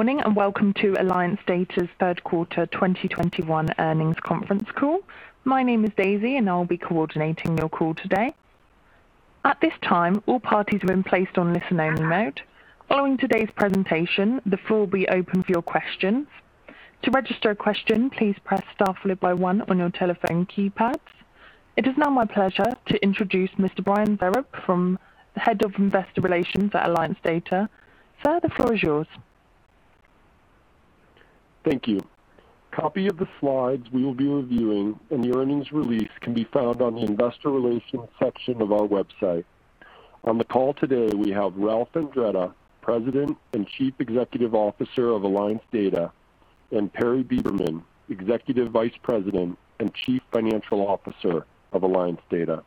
Good morning and welcome to Alliance Data's third quarter 2021 earnings conference call. My name is Daisy, and I'll be coordinating your call today. At this time, all parties have been placed on listen-only mode. Following today's presentation, the floor will be open for your questions. To register a question, please press star followed by one on your telephone keypads. It is now my pleasure to introduce Mr. Brian Vereb, Head of Investor Relations at Alliance Data. Sir, the floor is yours. Thank you. Copy of the slides we will be reviewing and the earnings release can be found on the investor relations section of our website. On the call today, we have Ralph Andretta, President and Chief Executive Officer of Alliance Data, and Perry Beberman, Executive Vice President and Chief Financial Officer of Alliance Data.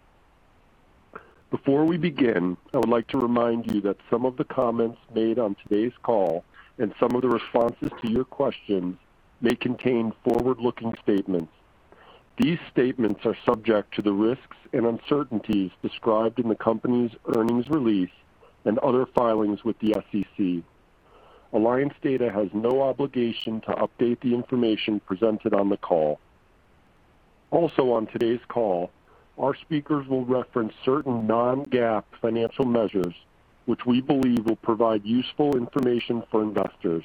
Before we begin, I would like to remind you that some of the comments made on today's call and some of the responses to your questions may contain forward-looking statements. These statements are subject to the risks and uncertainties described in the company's earnings release and other filings with the SEC. Alliance Data has no obligation to update the information presented on the call. Also on today's call, our speakers will reference certain non-GAAP financial measures which we believe will provide useful information for investors.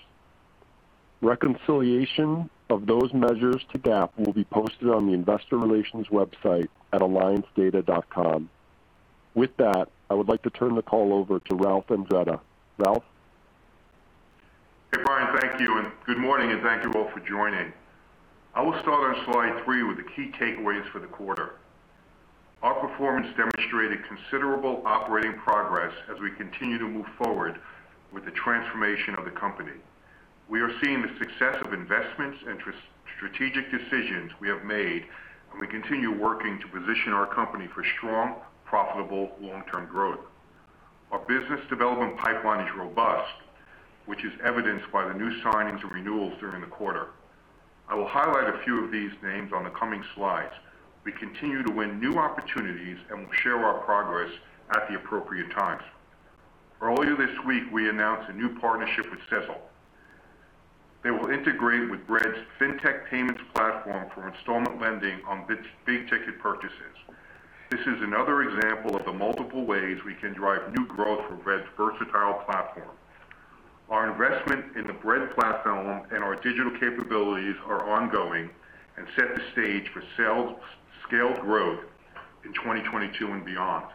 Reconciliation of those measures to GAAP will be posted on the investor relations website at alliancedata.com. With that, I would like to turn the call over to Ralph Andretta. Ralph. Hey Brian, thank you and good morning and thank you all for joining. I will start on slide three with the key takeaways for the quarter. Our performance demonstrated considerable operating progress as we continue to move forward with the transformation of the company. We are seeing the success of investments and strategic decisions we have made, and we continue working to position our company for strong, profitable long-term growth. Our business development pipeline is robust, which is evidenced by the new signings and renewals during the quarter. I will highlight a few of these names on the coming slides. We continue to win new opportunities and will share our progress at the appropriate times. Earlier this week, we announced a new partnership with Sezzle. They will integrate with Bread's fintech payments platform for installment lending on big ticket purchases. This is another example of the multiple ways we can drive new growth for Bread's versatile platform. Our investment in the Bread platform and our digital capabilities are ongoing and set the stage for sales scaled growth in 2022 and beyond.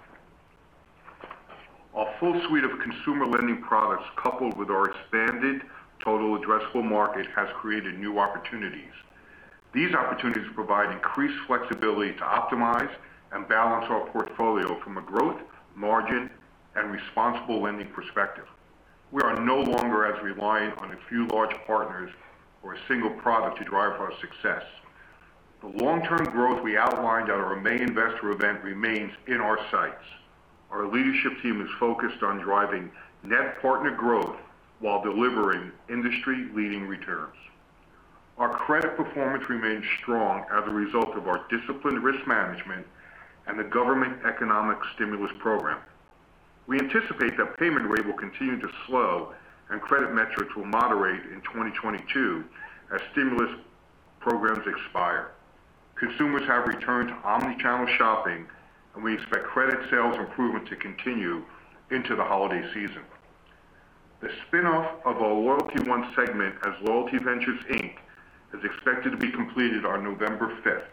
Our full suite of consumer lending products, coupled with our expanded total addressable market, has created new opportunities. These opportunities provide increased flexibility to optimize and balance our portfolio from a growth, margin, and responsible lending perspective. We are no longer as reliant on a few large partners or a single product to drive our success. The long-term growth we outlined at our main investor event remains in our sights. Our leadership team is focused on driving net partner growth while delivering industry-leading returns. Our credit performance remains strong as a result of our disciplined risk management and the government economic stimulus program. We anticipate that payment rate will continue to slow and credit metrics will moderate in 2022 as stimulus programs expire. Consumers have returned to omni-channel shopping and we expect credit sales improvement to continue into the holiday season. The spin-off of our LoyaltyOne segment as Loyalty Ventures Inc. is expected to be completed on November 5th,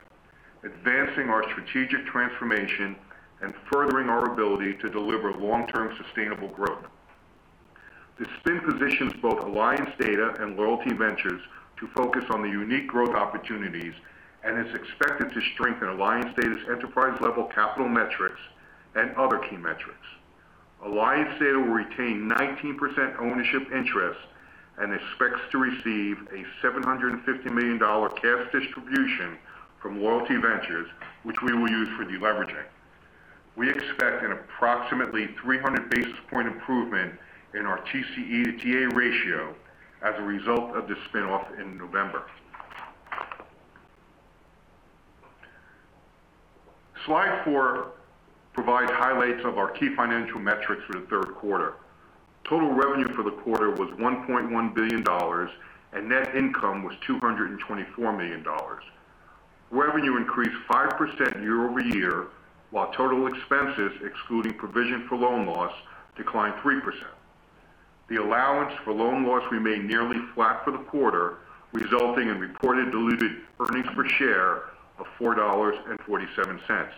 advancing our strategic transformation and furthering our ability to deliver long-term sustainable growth. The spin positions both Alliance Data and Loyalty Ventures to focus on the unique growth opportunities and is expected to strengthen Alliance Data's enterprise-level capital metrics and other key metrics. Alliance Data will retain 19% ownership interest and expects to receive a $750 million cash distribution from Loyalty Ventures, which we will use for deleveraging. We expect an approximately 300 basis point improvement in our TCE to TA ratio as a result of the spin-off in November. Slide four provides highlights of our key financial metrics for the third quarter. Total revenue for the quarter was $1.1 billion, and net income was $224 million. Revenue increased 5% year-over-year, while total expenses, excluding provision for loan loss, declined 3%. The allowance for loan loss remained nearly flat for the quarter, resulting in reported diluted earnings per share of $4.47.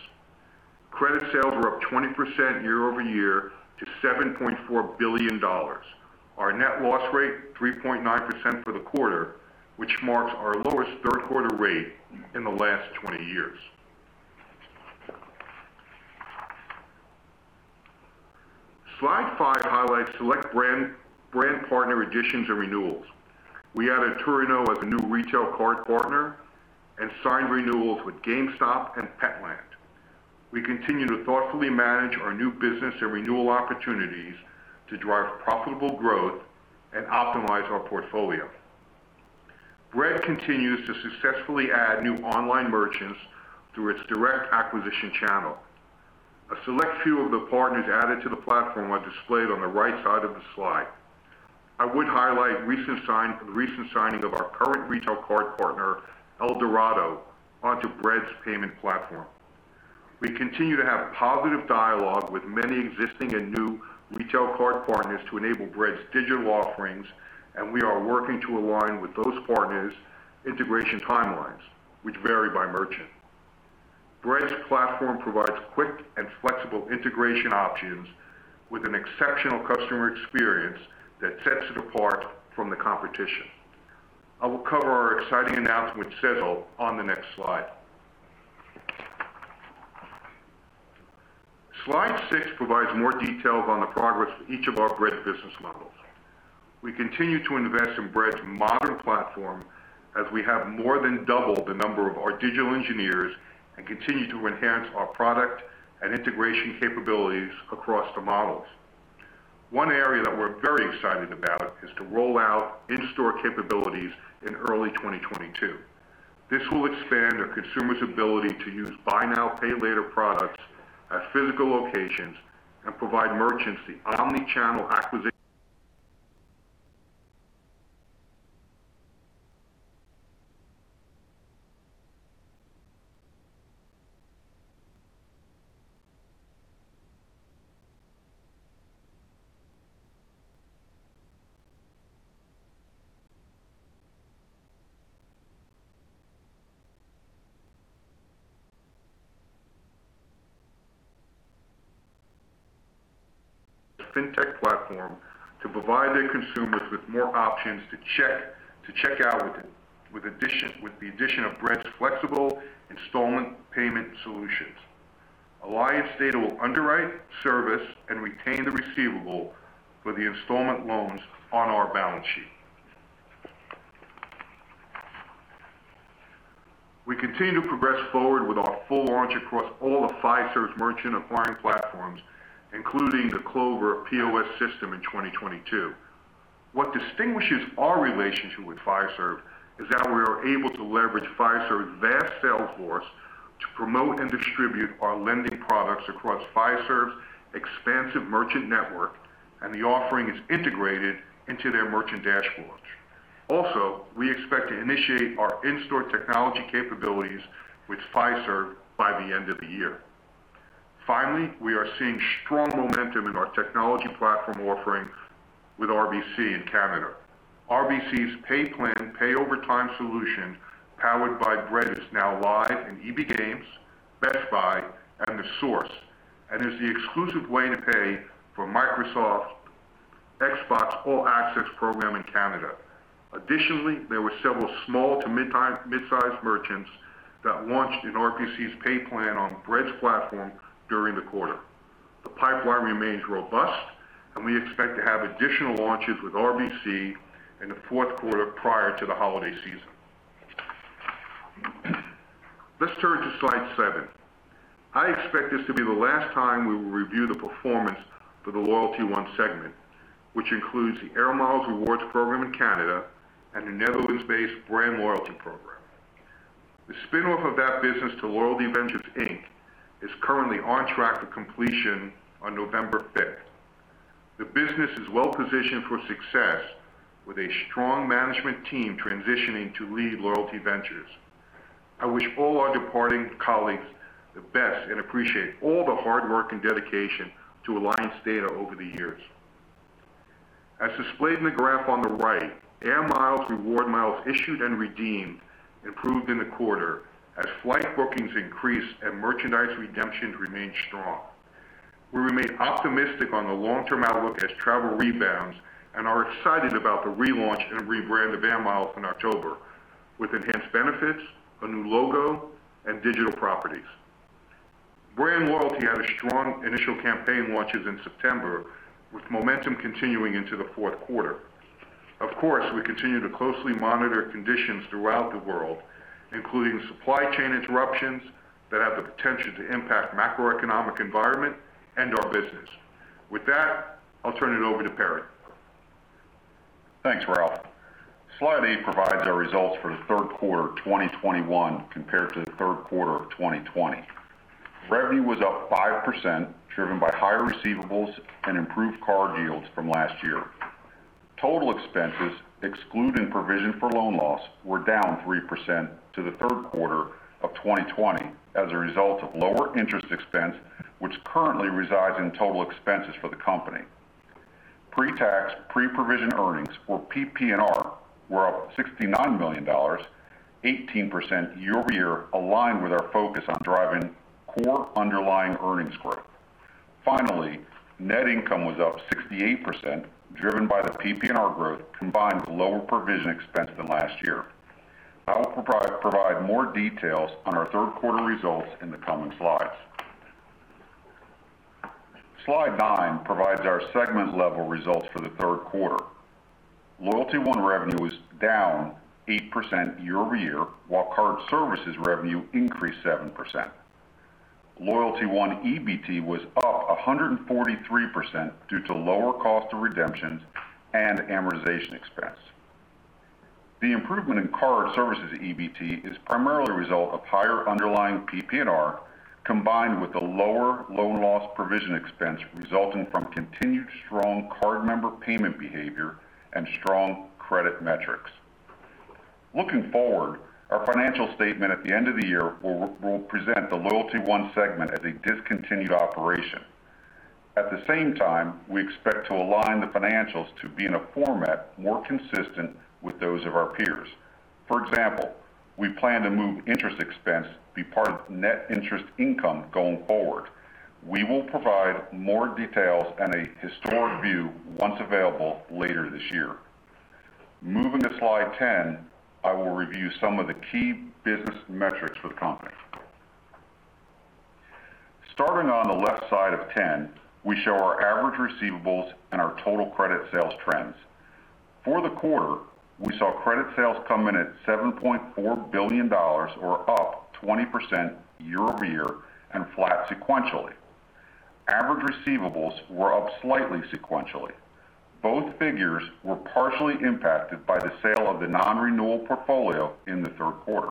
Credit sales were up 20% year-over-year to $7.4 billion. Our net loss rate, 3.9% for the quarter, which marks our lowest third quarter rate in the last 20 years. Slide five highlights select brand partner additions and renewals. We added Torrid as a new retail card partner and signed renewals with GameStop and Petland. We continue to thoughtfully manage our new business and renewal opportunities to drive profitable growth and optimize our portfolio. Bread continues to successfully add new online merchants through its direct acquisition channel. A select few of the partners added to the platform are displayed on the right side of the slide. I would highlight the recent signing of our current retail card partner, El Dorado, onto Bread's payment platform. We continue to have positive dialogue with many existing and new retail card partners to enable Bread's digital offerings, and we are working to align with those partners' integration timelines, which vary by merchant. Bread's platform provides quick and flexible integration options with an exceptional customer experience that sets it apart from the competition. I will cover our exciting announcement with Sezzle on the next slide. Slide six provides more details on the progress of each of our Bread business models. We continue to invest in Bread's modern platform as we have more than doubled the number of our digital engineers and continue to enhance our product and integration capabilities across the models. One area that we're very excited about is to roll out in-store capabilities in early 2022. This will expand our consumers' ability to use buy now, pay later products at physical locations and provide merchants the omni-channel acquisition fintech platform to provide their consumers with more options to check out with it. With the addition of Bread's flexible installment payment solutions. Alliance Data will underwrite, service, and retain the receivable for the installment loans on our balance sheet. We continue to progress forward with our full launch across all of Fiserv's merchant acquiring platforms, including the Clover POS system in 2022. What distinguishes our relationship with Fiserv is that we are able to leverage Fiserv's vast sales force to promote and distribute our lending products across Fiserv's expansive merchant network, and the offering is integrated into their merchant dashboard. Also, we expect to initiate our in-store technology capabilities with Fiserv by the end of the year. Finally, we are seeing strong momentum in our technology platform offerings with RBC in Canada. RBC's Pay Plan pay over time solution powered by Bread is now live in EB Games, Best Buy, and The Source, and is the exclusive way to pay for Microsoft Xbox All Access program in Canada. Additionally, there were several small to mid-sized merchants that launched in RBC's Pay Plan on Bread's platform during the quarter. The pipeline remains robust, and we expect to have additional launches with RBC in the fourth quarter prior to the holiday season. Let's turn to slide seven. I expect this to be the last time we will review the performance for the LoyaltyOne segment, which includes the AIR MILES Reward Program in Canada and the Netherlands-based BrandLoyalty program. The spin-off of that business to Loyalty Ventures Inc. is currently on track for completion on November fifth. The business is well-positioned for success with a strong management team transitioning to lead Loyalty Ventures. I wish all our departing colleagues the best and appreciate all the hard work and dedication to Alliance Data over the years. As displayed in the graph on the right, AIR MILES reward miles issued and redeemed improved in the quarter as flight bookings increased and merchandise redemptions remained strong. We remain optimistic on the long-term outlook as travel rebounds and are excited about the relaunch and rebrand of AIR MILES in October with enhanced benefits, a new logo, and digital properties. BrandLoyalty had a strong initial campaign launches in September with momentum continuing into the fourth quarter. Of course, we continue to closely monitor conditions throughout the world, including supply chain interruptions that have the potential to impact macroeconomic environment and our business. With that, I'll turn it over to Perry. Thanks, Ralph. Slide eight provides our results for the third quarter of 2021 compared to the third quarter of 2020. Revenue was up 5%, driven by higher receivables and improved card yields from last year. Total expenses, excluding provision for loan loss, were down 3% to the third quarter of 2020 as a result of lower interest expense, which currently resides in total expenses for the company. Pre-tax, pre-provision earnings, or PPNR, were up $69 million, 18% year-over-year, aligned with our focus on driving core underlying earnings growth. Finally, net income was up 68%, driven by the PPNR growth combined with lower provision expense than last year. I will provide more details on our third quarter results in the coming slides. Slide nine provides our segment-level results for the third quarter. LoyaltyOne revenue is down 8% year-over-year, while card services revenue increased 7%. LoyaltyOne EBT was up 143% due to lower cost of redemptions and amortization expense. The improvement in card services EBT is primarily a result of higher underlying PPNR, combined with the lower loan loss provision expense resulting from continued strong card member payment behavior and strong credit metrics. Looking forward, our financial statement at the end of the year will present the LoyaltyOne segment as a discontinued operation. At the same time, we expect to align the financials to be in a format more consistent with those of our peers. For example, we plan to move interest expense to be part of net interest income going forward. We will provide more details and a historic view once available later this year. Moving to slide 10, I will review some of the key business metrics for the company. Starting on the left side of 10, we show our average receivables and our total credit sales trends. For the quarter, we saw credit sales come in at $7.4 billion or up 20% year-over-year and flat sequentially. Average receivables were up slightly sequentially. Both figures were partially impacted by the sale of the non-renewal portfolio in the third quarter.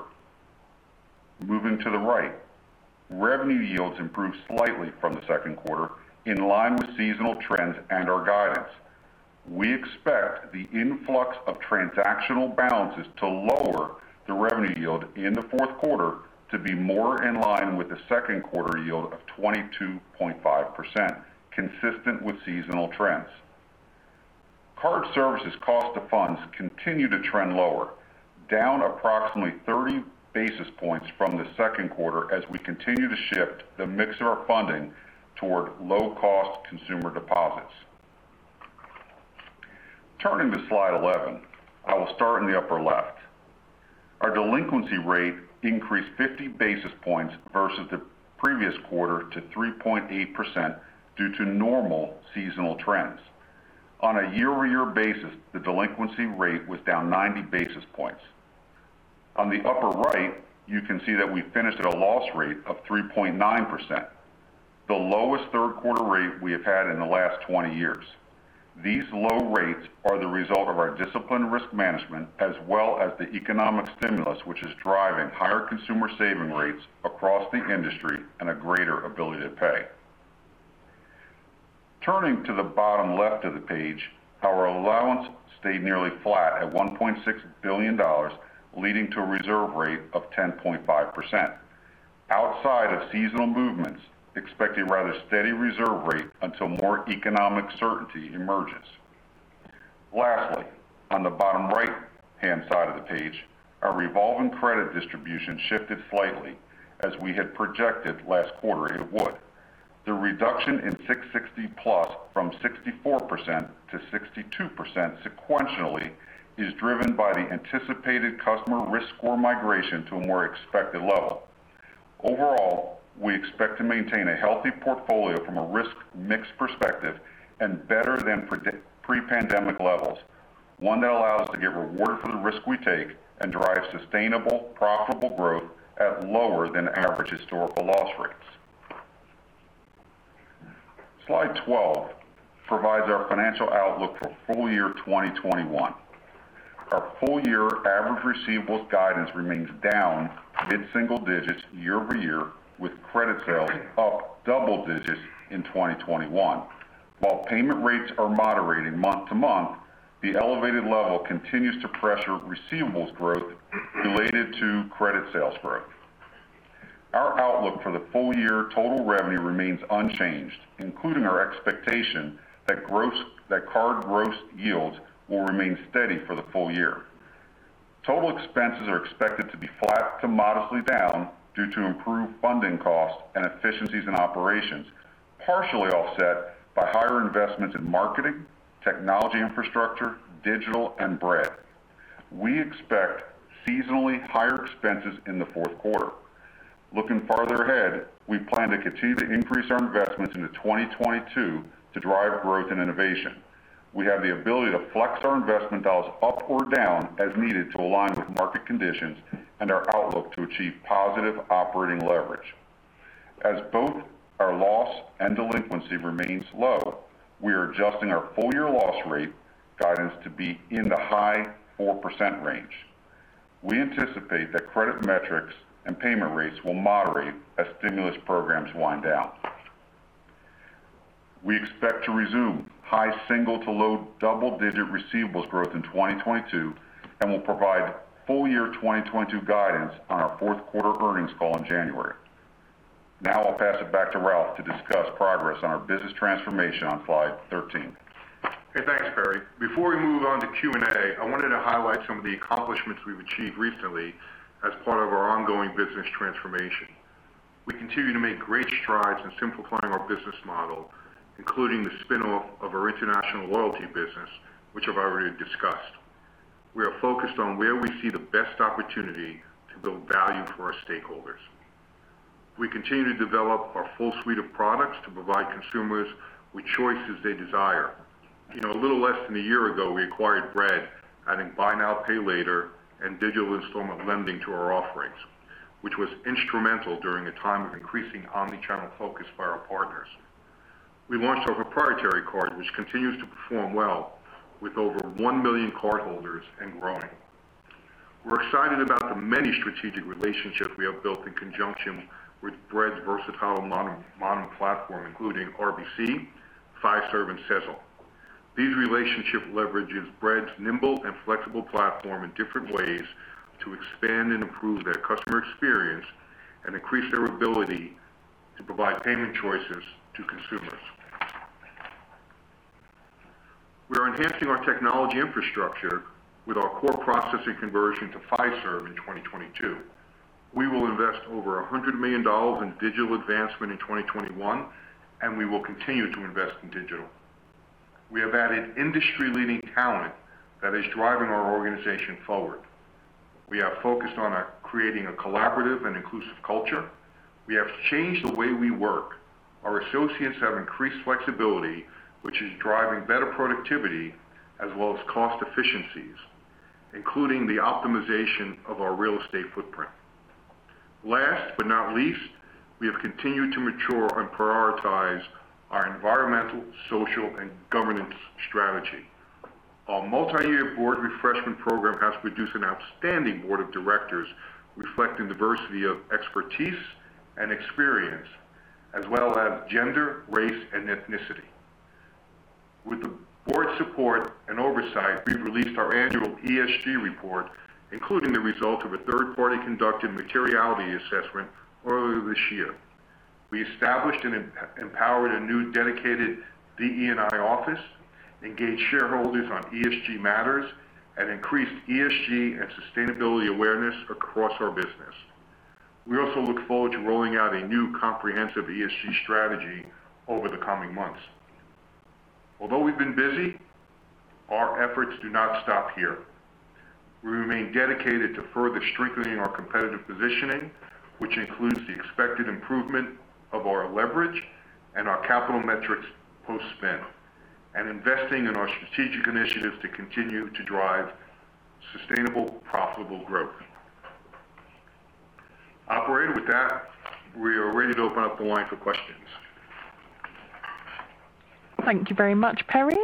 Moving to the right, revenue yields improved slightly from the second quarter, in line with seasonal trends and our guidance. We expect the influx of transactional balances to lower the revenue yield in the fourth quarter to be more in line with the second quarter yield of 22.5%, consistent with seasonal trends. Card services cost of funds continue to trend lower, down approximately 30 basis points from the second quarter as we continue to shift the mix of our funding toward low-cost consumer deposits. Turning to slide 11, I will start in the upper left. Our delinquency rate increased 50 basis points versus the previous quarter to 3.8% due to normal seasonal trends. On a year-over-year basis, the delinquency rate was down 90 basis points. On the upper right, you can see that we finished at a loss rate of 3.9%, the lowest third quarter rate we have had in the last 20 years. These low rates are the result of our disciplined risk management as well as the economic stimulus, which is driving higher consumer saving rates across the industry and a greater ability to pay. Turning to the bottom left of the page, our allowance stayed nearly flat at $1.6 billion, leading to a reserve rate of 10.5%. Outside of seasonal movements, expect a rather steady reserve rate until more economic certainty emerges. Lastly, on the bottom right-hand side of the page, our revolving credit distribution shifted slightly as we had projected last quarter it would. The reduction in 660+ from 64% to 62% sequentially is driven by the anticipated customer risk score migration to a more expected level. Overall, we expect to maintain a healthy portfolio from a risk mix perspective and better than pre-pandemic levels, one that allows us to get rewarded for the risk we take and drive sustainable, profitable growth at lower than average historical loss rates. Slide 12 provides our financial outlook for full year 2021. Our full-year average receivables guidance remains down mid-single digits year-over-year, with credit sales up double digits in 2021. While payment rates are moderating month-to-month, the elevated level continues to pressure receivables growth related to credit sales growth. Our outlook for the full-year total revenue remains unchanged, including our expectation that card gross yields will remain steady for the full year. Total expenses are expected to be flat to modestly down due to improved funding costs and efficiencies in operations, partially offset by higher investments in marketing, technology infrastructure, digital, and brand. We expect seasonally higher expenses in the fourth quarter. Looking farther ahead, we plan to continue to increase our investments into 2022 to drive growth and innovation. We have the ability to flex our investment dollars up or down as needed to align with market conditions and our outlook to achieve positive operating leverage. As both our loss and delinquency remains low, we are adjusting our full-year loss rate guidance to be in the high 4% range. We anticipate that credit metrics and payment rates will moderate as stimulus programs wind down. We expect to resume high single to low double-digit receivables growth in 2022, and we'll provide full-year 2022 guidance on our fourth-quarter earnings call in January. Now I'll pass it back to Ralph to discuss progress on our business transformation on slide 13. Hey, thanks, Perry. Before we move on to Q&A, I wanted to highlight some of the accomplishments we've achieved recently as part of our ongoing business transformation. We continue to make great strides in simplifying our business model, including the spin-off of our international loyalty business, which I've already discussed. We are focused on where we see the best opportunity to build value for our stakeholders. We continue to develop our full suite of products to provide consumers with choices they desire. You know, a little less than a year ago, we acquired Bread, adding buy now, pay later, and digital installment lending to our offerings, which was instrumental during a time of increasing omni-channel focus by our partners. We launched our proprietary card, which continues to perform well with over 1 million cardholders and growing. We're excited about the many strategic relationships we have built in conjunction with Bread's versatile modern platform, including RBC, Fiserv, and Sezzle. These relationships leverage Bread's nimble and flexible platform in different ways to expand and improve their customer experience and increase their ability to provide payment choices to consumers. We are enhancing our technology infrastructure with our core processing conversion to Fiserv in 2022. We will invest over $100 million in digital advancement in 2021, and we will continue to invest in digital. We have added industry-leading talent that is driving our organization forward. We are focused on creating a collaborative and inclusive culture. We have changed the way we work. Our associates have increased flexibility, which is driving better productivity as well as cost efficiencies, including the optimization of our real estate footprint. Last but not least, we have continued to mature and prioritize our environmental, social, and governance strategy. Our multi-year board refreshment program has produced an outstanding board of directors reflecting diversity of expertise and experience, as well as gender, race, and ethnicity. With the board support and oversight, we've released our annual ESG report, including the result of a third-party conducted materiality assessment earlier this year. We established and empowered a new dedicated DE&I office, engaged shareholders on ESG matters, and increased ESG and sustainability awareness across our business. We also look forward to rolling out a new comprehensive ESG strategy over the coming months. Although we've been busy, our efforts do not stop here. We remain dedicated to further strengthening our competitive positioning, which includes the expected improvement of our leverage and our capital metrics post-spin, and investing in our strategic initiatives to continue to drive sustainable, profitable growth. Operator, with that, we are ready to open up the line for questions. Thank you very much, Perry.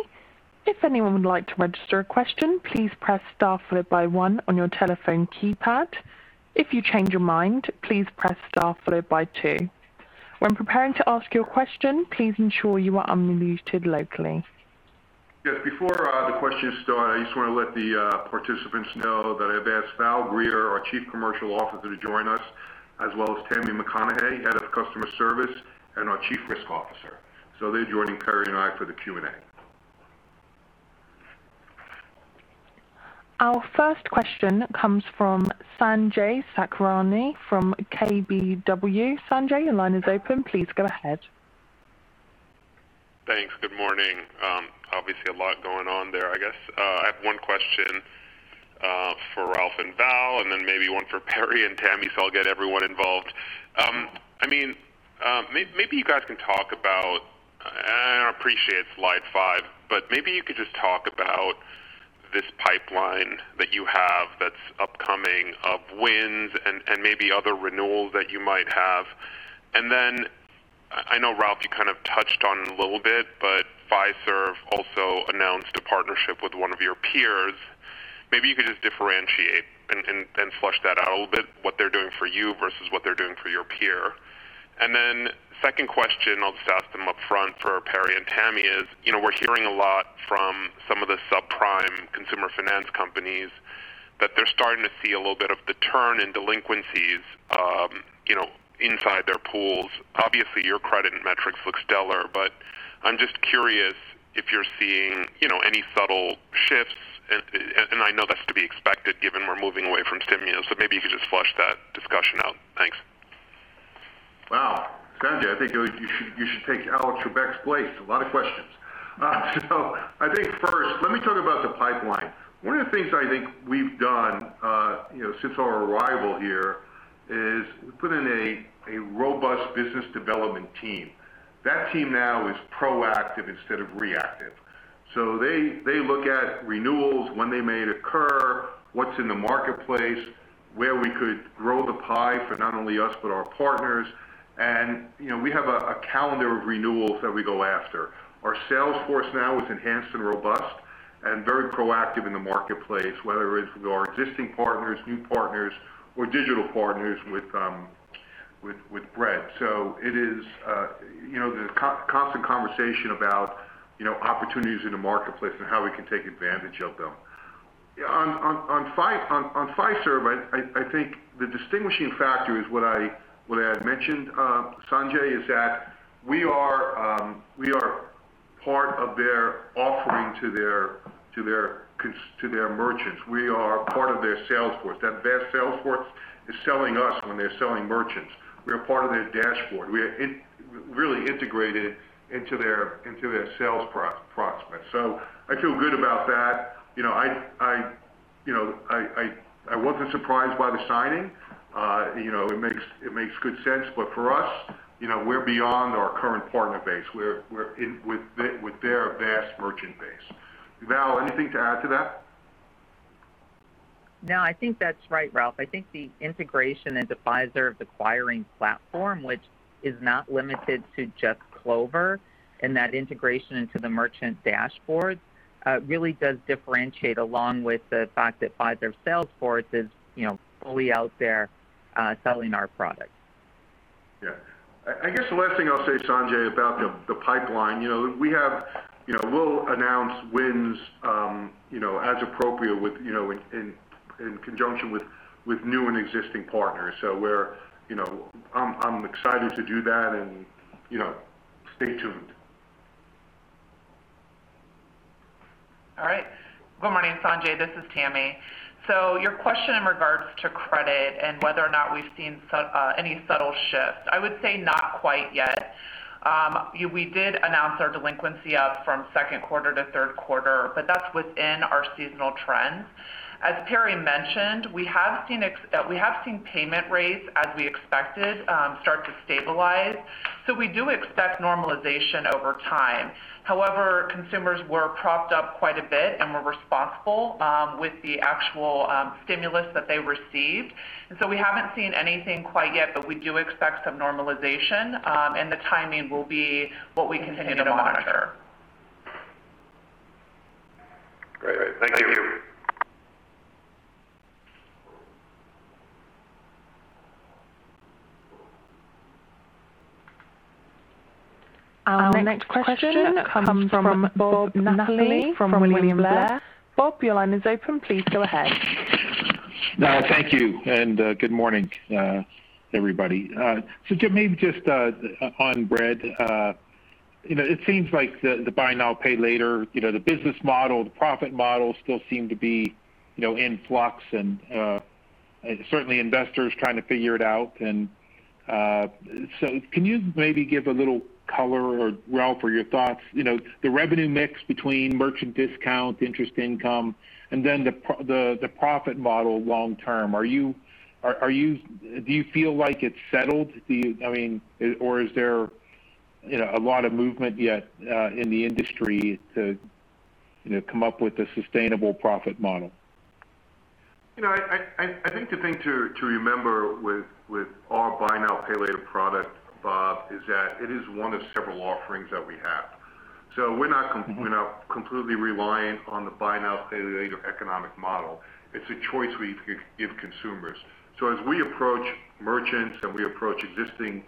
If anyone would like to register a question, please press star followed by one on your telephone keypad. If you change your mind, please press star followed by two. When preparing to ask your question, please ensure you are unmuted locally. Yes, before the questions start, I just want to let the participants know that I've asked Val Greer, our Chief Commercial Officer, to join us, as well as Tammy McConnaughey, Head of Customer Service and our Chief Risk Officer. They're joining Perry and I for the Q&A. Our first question comes from Sanjay Sakhrani from KBW. Sanjay, your line is open. Please go ahead. Thanks. Good morning. Obviously a lot going on there. I guess I have one question for Ralph and Val, and then maybe one for Perry and Tammy, so I'll get everyone involved. I mean, maybe you guys can talk about and I appreciate slide five, but maybe you could just talk about this pipeline that you have that's upcoming of wins and maybe other renewals that you might have. Then I know, Ralph, you kind of touched on a little bit, but Fiserv also announced a partnership with one of your peers. Maybe you could just differentiate and flesh that out a little bit, what they're doing for you versus what they're doing for your peer. Then second question, I'll just ask them up front for Perry and Tammy is, you know, we're hearing a lot from some of the subprime consumer finance companies that they're starting to see a little bit of the turn in delinquencies, you know, inside their pools. Obviously, your credit and metrics look stellar, but I'm just curious if you're seeing, you know, any subtle shifts. And I know that's to be expected given we're moving away from stimulus, so maybe you could just flesh that discussion out. Sanjay, I think you should take Alex Trebek's place. A lot of questions. I think first, let me talk about the pipeline. One of the things I think we've done, you know, since our arrival here is we put in a robust business development team. That team now is proactive instead of reactive. They look at renewals, when they may occur, what's in the marketplace, where we could grow the pie for not only us, but our partners. You know, we have a calendar of renewals that we go after. Our sales force now is enhanced and robust and very proactive in the marketplace, whether it's with our existing partners, new partners, or digital partners with Bread. It is, you know, the constant conversation about, you know, opportunities in the marketplace and how we can take advantage of them. On Fiserv, I think the distinguishing factor is what I had mentioned, Sanjay, is that we are part of their offering to their merchants. We are part of their sales force. That their sales force is selling us when they're selling merchants. We are part of their dashboard. We are really integrated into their sales process. I feel good about that. You know, I wasn't surprised by the signing. You know, it makes good sense. For us, you know, we're beyond our current partner base. We're in with their vast merchant base. Val, anything to add to that? No, I think that's right, Ralph. I think the integration into Fiserv's acquiring platform, which is not limited to just Clover and that integration into the merchant dashboards, really does differentiate along with the fact that Fiserv's sales force is, you know, fully out there, selling our product. Yeah. I guess the last thing I'll say, Sanjay, about the pipeline, you know. You know, we'll announce wins, you know, as appropriate with, you know, in conjunction with new and existing partners. We're, you know, I'm excited to do that and, you know, stay tuned. All right. Good morning, Sanjay. This is Tammy. Your question in regards to credit and whether or not we've seen any subtle shift, I would say not quite yet. We did announce our delinquency up from second quarter to third quarter, but that's within our seasonal trends. As Perry mentioned, we have seen payment rates, as we expected, start to stabilize. We do expect normalization over time. However, consumers were propped up quite a bit and were responsible with the actual stimulus that they received. We haven't seen anything quite yet, but we do expect some normalization, and the timing will be what we continue to monitor. Great. Thank you. Our next question comes from Bob Napoli from William Blair. Bob, your line is open. Please go ahead. No, thank you, good morning, everybody. Maybe just on Bread, you know, it seems like the buy now, pay later, you know, the business model, the profit model still seem to be, you know, in flux and certainly investors trying to figure it out. Can you maybe give a little color or Ralph, or your thoughts, you know, the revenue mix between merchant discount, interest income, and then the profit model long term. Do you feel like it's settled? I mean, or is there, you know, a lot of movement yet in the industry to, you know, come up with a sustainable profit model? You know, I think the thing to remember with our buy now, pay later product, Bob, is that it is one of several offerings that we have. We're not completely reliant on the buy now, pay later economic model. It's a choice we give consumers. As we approach merchants and we approach existing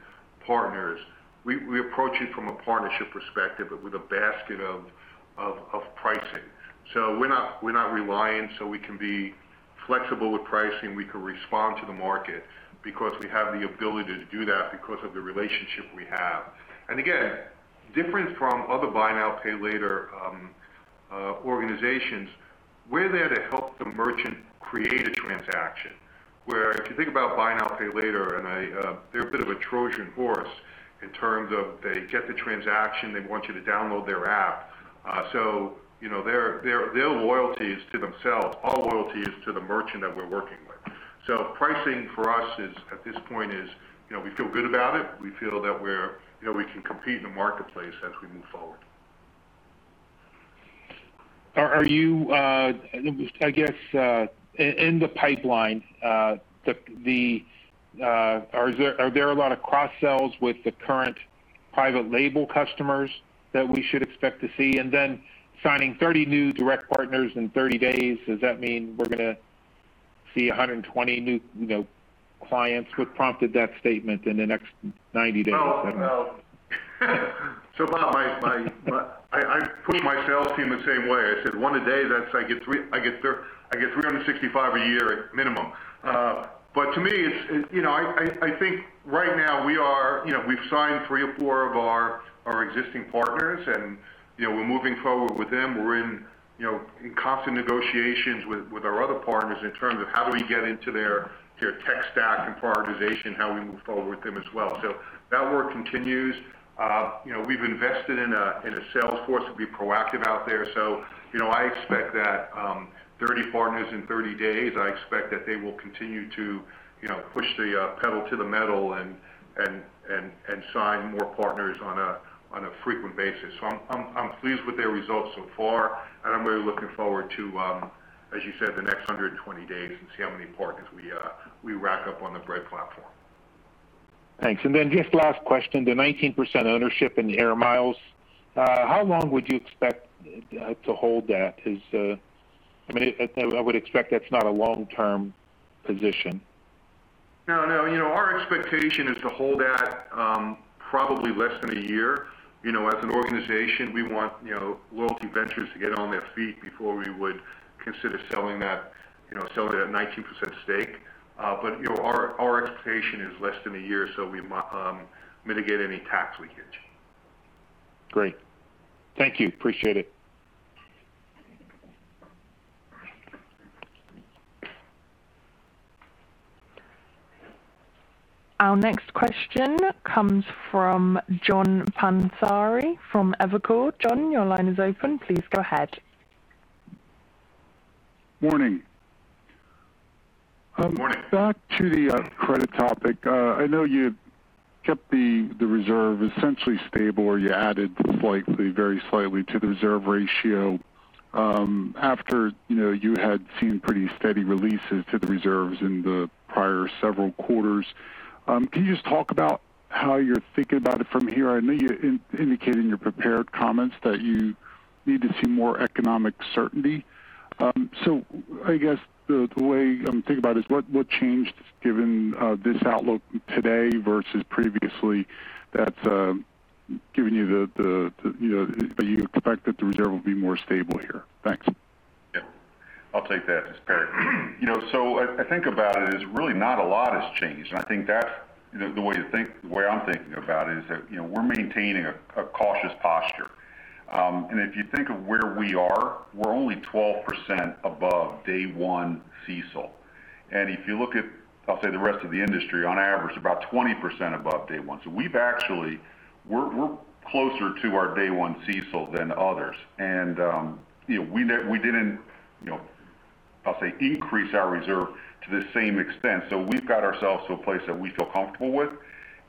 partners, we approach it from a partnership perspective, but with a basket of pricing. We're not reliant, so we can be flexible with pricing. We can respond to the market because we have the ability to do that because of the relationship we have. Again, different from other buy now, pay later organizations, we're there to help the merchant create a transaction. Where if you think about buy now, pay later, and I... They're a bit of a Trojan horse in terms of they get the transaction. They want you to download their app. So, you know, their loyalty is to themselves. Our loyalty is to the merchant that we're working with. So pricing for us, at this point, is, you know, we feel good about it. We feel that we're, you know, we can compete in the marketplace as we move forward. Are you, I guess, in the pipeline? Are there a lot of cross-sells with the current private label customers that we should expect to see? Signing 30 new direct partners in 30 days, does that mean we're gonna see 120 new, you know, clients? What prompted that statement in the next 90 days or so? Bob, I put my sales team the same way. I said one a day, that's, I get 365 a year minimum. But to me, it's you know, I think right now we are you know, we've signed three or four of our existing partners and you know, we're moving forward with them. We're in you know, in constant negotiations with our other partners in terms of how do we get into their tech stack and prioritization, how we move forward with them as well. That work continues. You know, we've invested in a sales force to be proactive out there. You know, I expect that 30 partners in 30 days. I expect that they will continue to, you know, push the pedal to the metal and sign more partners on a frequent basis. I'm pleased with their results so far, and I'm really looking forward to, as you said, the next 120 days and see how many partners we rack up on the Bread platform. Thanks. Just last question, the 19% ownership in AIR MILES, how long would you expect to hold that? I mean, I would expect that's not a long-term position. No, no. You know, our expectation is to hold that, probably less than a year. You know, as an organization, we want, you know, Loyalty Ventures to get on their feet before we would consider selling that, you know, selling that 19% stake. But, you know, our expectation is less than a year, so we mitigate any tax leakage. Great. Thank you. Appreciate it. Our next question comes from John Pancari from Evercore. John, your line is open. Please go ahead. Morning. Morning. Back to the credit topic. I know you kept the reserve essentially stable, or you added slightly, very slightly to the reserve ratio, after you know you had seen pretty steady releases to the reserves in the prior several quarters. Can you just talk about how you're thinking about it from here? I know you indicate in your prepared comments that you need to see more economic certainty. So I guess the way I'm thinking about is what changed given this outlook today versus previously that's given you the you know that you expect that the reserve will be more stable here? Thanks. Yeah. I'll take that. It's Perry. You know, I think about it is really not a lot has changed. I think that's, you know, the way I'm thinking about it is that, you know, we're maintaining a cautious posture. If you think of where we are, we're only 12% above day one CECL. If you look at, I'll say the rest of the industry on average, about 20% above day one. We're closer to our day one CECL than others. You know, we didn't, you know, I'll say, increase our reserve to the same extent. We've got ourselves to a place that we feel comfortable with.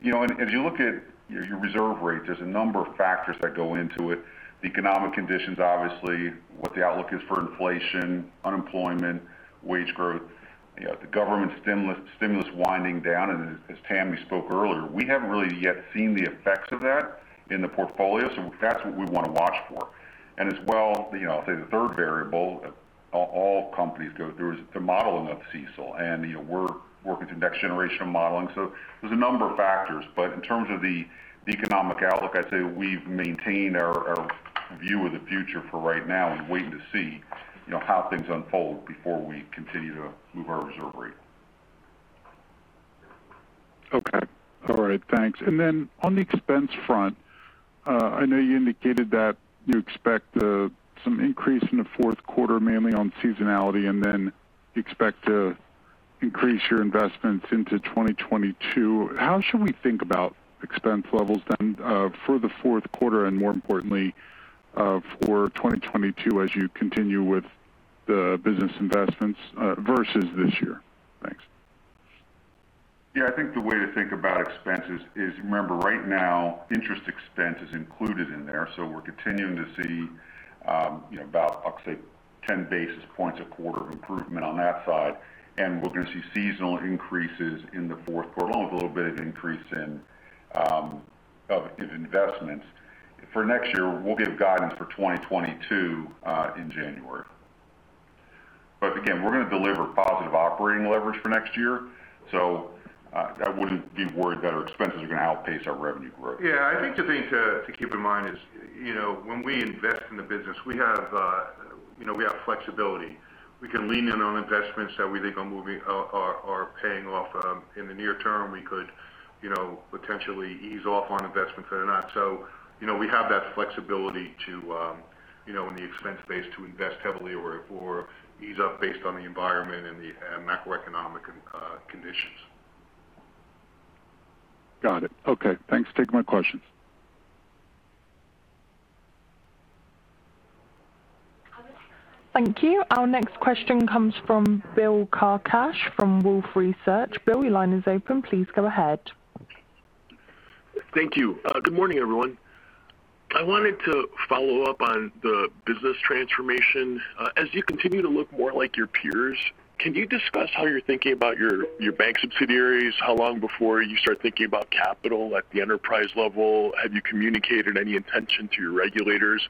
You know, if you look at your reserve rate, there's a number of factors that go into it. The economic conditions, obviously, what the outlook is for inflation, unemployment, wage growth, you know, the government stimulus winding down. As Tammy spoke earlier, we haven't really yet seen the effects of that in the portfolio. That's what we want to watch for. As well, you know, I'll say the third variable all companies go through is the modeling of CECL. You know, we're working through next generation of modeling. There's a number of factors. In terms of the economic outlook, I'd say we've maintained our view of the future for right now and waiting to see, you know, how things unfold before we continue to move our reserve rate. Okay. All right, thanks. On the expense front, I know you indicated that you expect some increase in the fourth quarter, mainly on seasonality, and then you expect to increase your investments into 2022. How should we think about expense levels then, for the fourth quarter and more importantly, for 2022 as you continue with the business investments, versus this year? Thanks. Yeah. I think the way to think about expenses is, remember right now interest expense is included in there. We're continuing to see you know about, I'd say 10 basis points a quarter of improvement on that side. We're going to see seasonal increases in the fourth quarter, along with a little bit of increase in of investments. For next year, we'll give guidance for 2022 in January. Again, we're going to deliver positive operating leverage for next year, so I wouldn't be worried that our expenses are going to outpace our revenue growth. Yeah, I think the thing to keep in mind is, you know, when we invest in the business, we have flexibility. We can lean in on investments that we think are paying off in the near term. We could, you know, potentially ease off on investments that are not. You know, we have that flexibility to, you know, in the expense base to invest heavily or ease up based on the environment and the macroeconomic conditions. Got it. Okay. Thanks. Take my questions. Thank you. Our next question comes from Bill Carcache from Wolfe Research. Bill, your line is open. Please go ahead. Thank you. Good morning, everyone. I wanted to follow up on the business transformation. As you continue to look more like your peers, can you discuss how you're thinking about your bank subsidiaries? How long before you start thinking about capital at the enterprise level? Have you communicated any intention to your regulators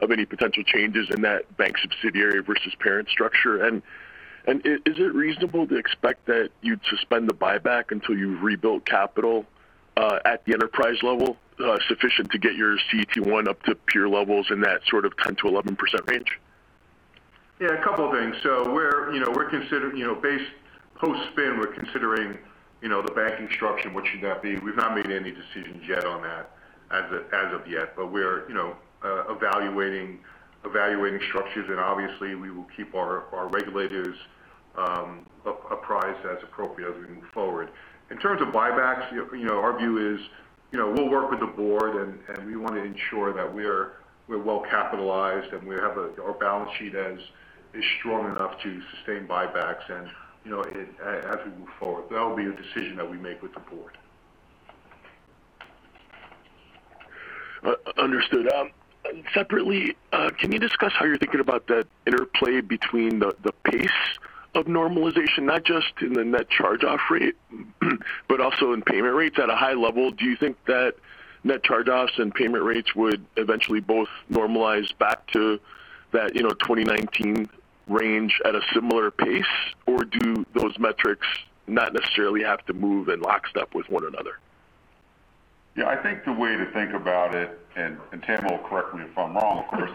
of any potential changes in that bank subsidiary versus parent structure? Is it reasonable to expect that you'd suspend the buyback until you've rebuilt capital at the enterprise level sufficient to get your CET1 up to peer levels in that sort of 10%-11% range? Yeah, a couple of things. You know, we're considering post-spin the banking structure, what should that be? We've not made any decisions yet on that as of yet, but you know we're evaluating structures, and obviously we will keep our regulators apprised as appropriate as we move forward. In terms of buybacks, you know, our view is, you know, we'll work with the board and we want to ensure that we're well capitalized and our balance sheet is strong enough to sustain buybacks and, you know, as we move forward. That will be a decision that we make with the board. Understood. Separately, can you discuss how you're thinking about that interplay between the pace of normalization, not just in the net charge-off rate, but also in payment rates at a high level? Do you think that net charge-offs and payment rates would eventually both normalize back to that, you know, 2019 range at a similar pace? Or do those metrics not necessarily have to move in lockstep with one another? Yeah, I think the way to think about it, and Tammy will correct me if I'm wrong, of course.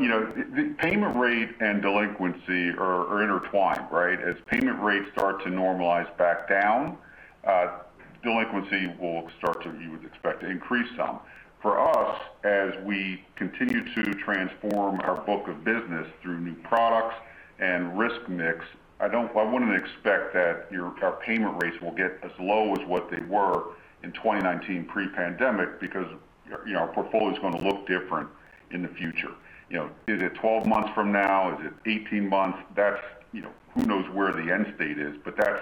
You know, the payment rate and delinquency are intertwined, right? As payment rates start to normalize back down, delinquency will start to, you would expect, to increase some. For us, as we continue to transform our book of business through new products and risk mix, I wouldn't expect that our payment rates will get as low as what they were in 2019 pre-pandemic because, you know, our portfolio is going to look different in the future. You know, is it 12 months from now? Is it 18 months? That's, you know, who knows where the end state is? That's,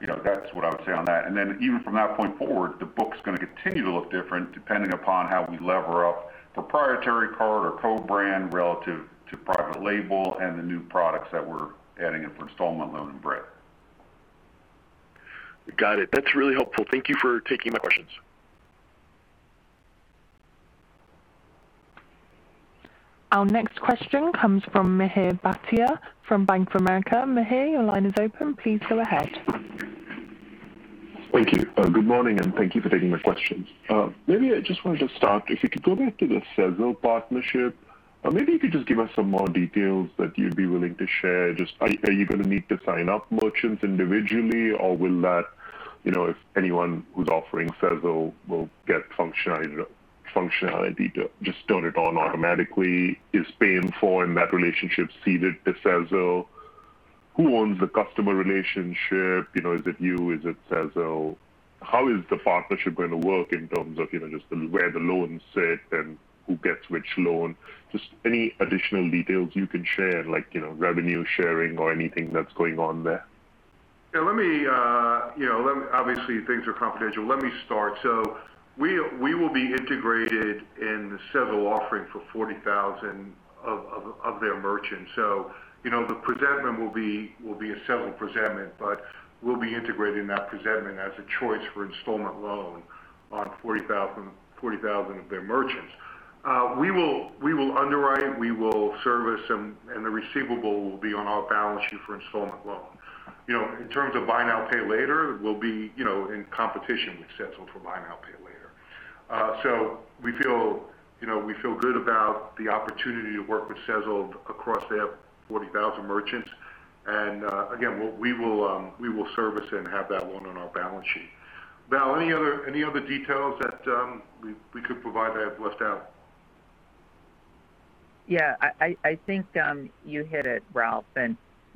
you know, that's what I would say on that. Even from that point forward, the book's going to continue to look different depending upon how we lever up proprietary card or co-brand relative to private label and the new products that we're adding in for installment loan and Bread. Got it. That's really helpful. Thank you for taking my questions. Our next question comes from Mihir Bhatia from Bank of America. Mihir, your line is open. Please go ahead. Thank you. Good morning, and thank you for taking my questions. Maybe I just wanted to start, if you could go back to the Sezzle partnership, maybe if you could just give us some more details that you'd be willing to share. Just, are you going to need to sign up merchants individually or will that, you know, if anyone who's offering Sezzle will get functionality to just turn it on automatically? Is the funding and that relationship ceded to Sezzle? Who owns the customer relationship? You know, is it you? Is it Sezzle? How is the partnership going to work in terms of, you know, just where the loans sit and who gets which loan? Just any additional details you can share, like, you know, revenue sharing or anything that's going on there. Yeah, let me, you know, obviously things are confidential. Let me start. We will be integrated in the Sezzle offering for 40,000 of their merchants. You know, the presentment will be a Sezzle presentment, but we'll be integrated in that presentment as a choice for installment loan on 40,000 of their merchants. We will underwrite, we will service them, and the receivable will be on our balance sheet for installment loan. You know, in terms of buy now, pay later, we'll be, you know, in competition with Sezzle for buy now, pay later. We feel, you know, we feel good about the opportunity to work with Sezzle across their 40,000 merchants. Again, we will service and have that loan on our balance sheet. Val, any other details that we could provide that I've left out? Yeah. I think you hit it, Ralph.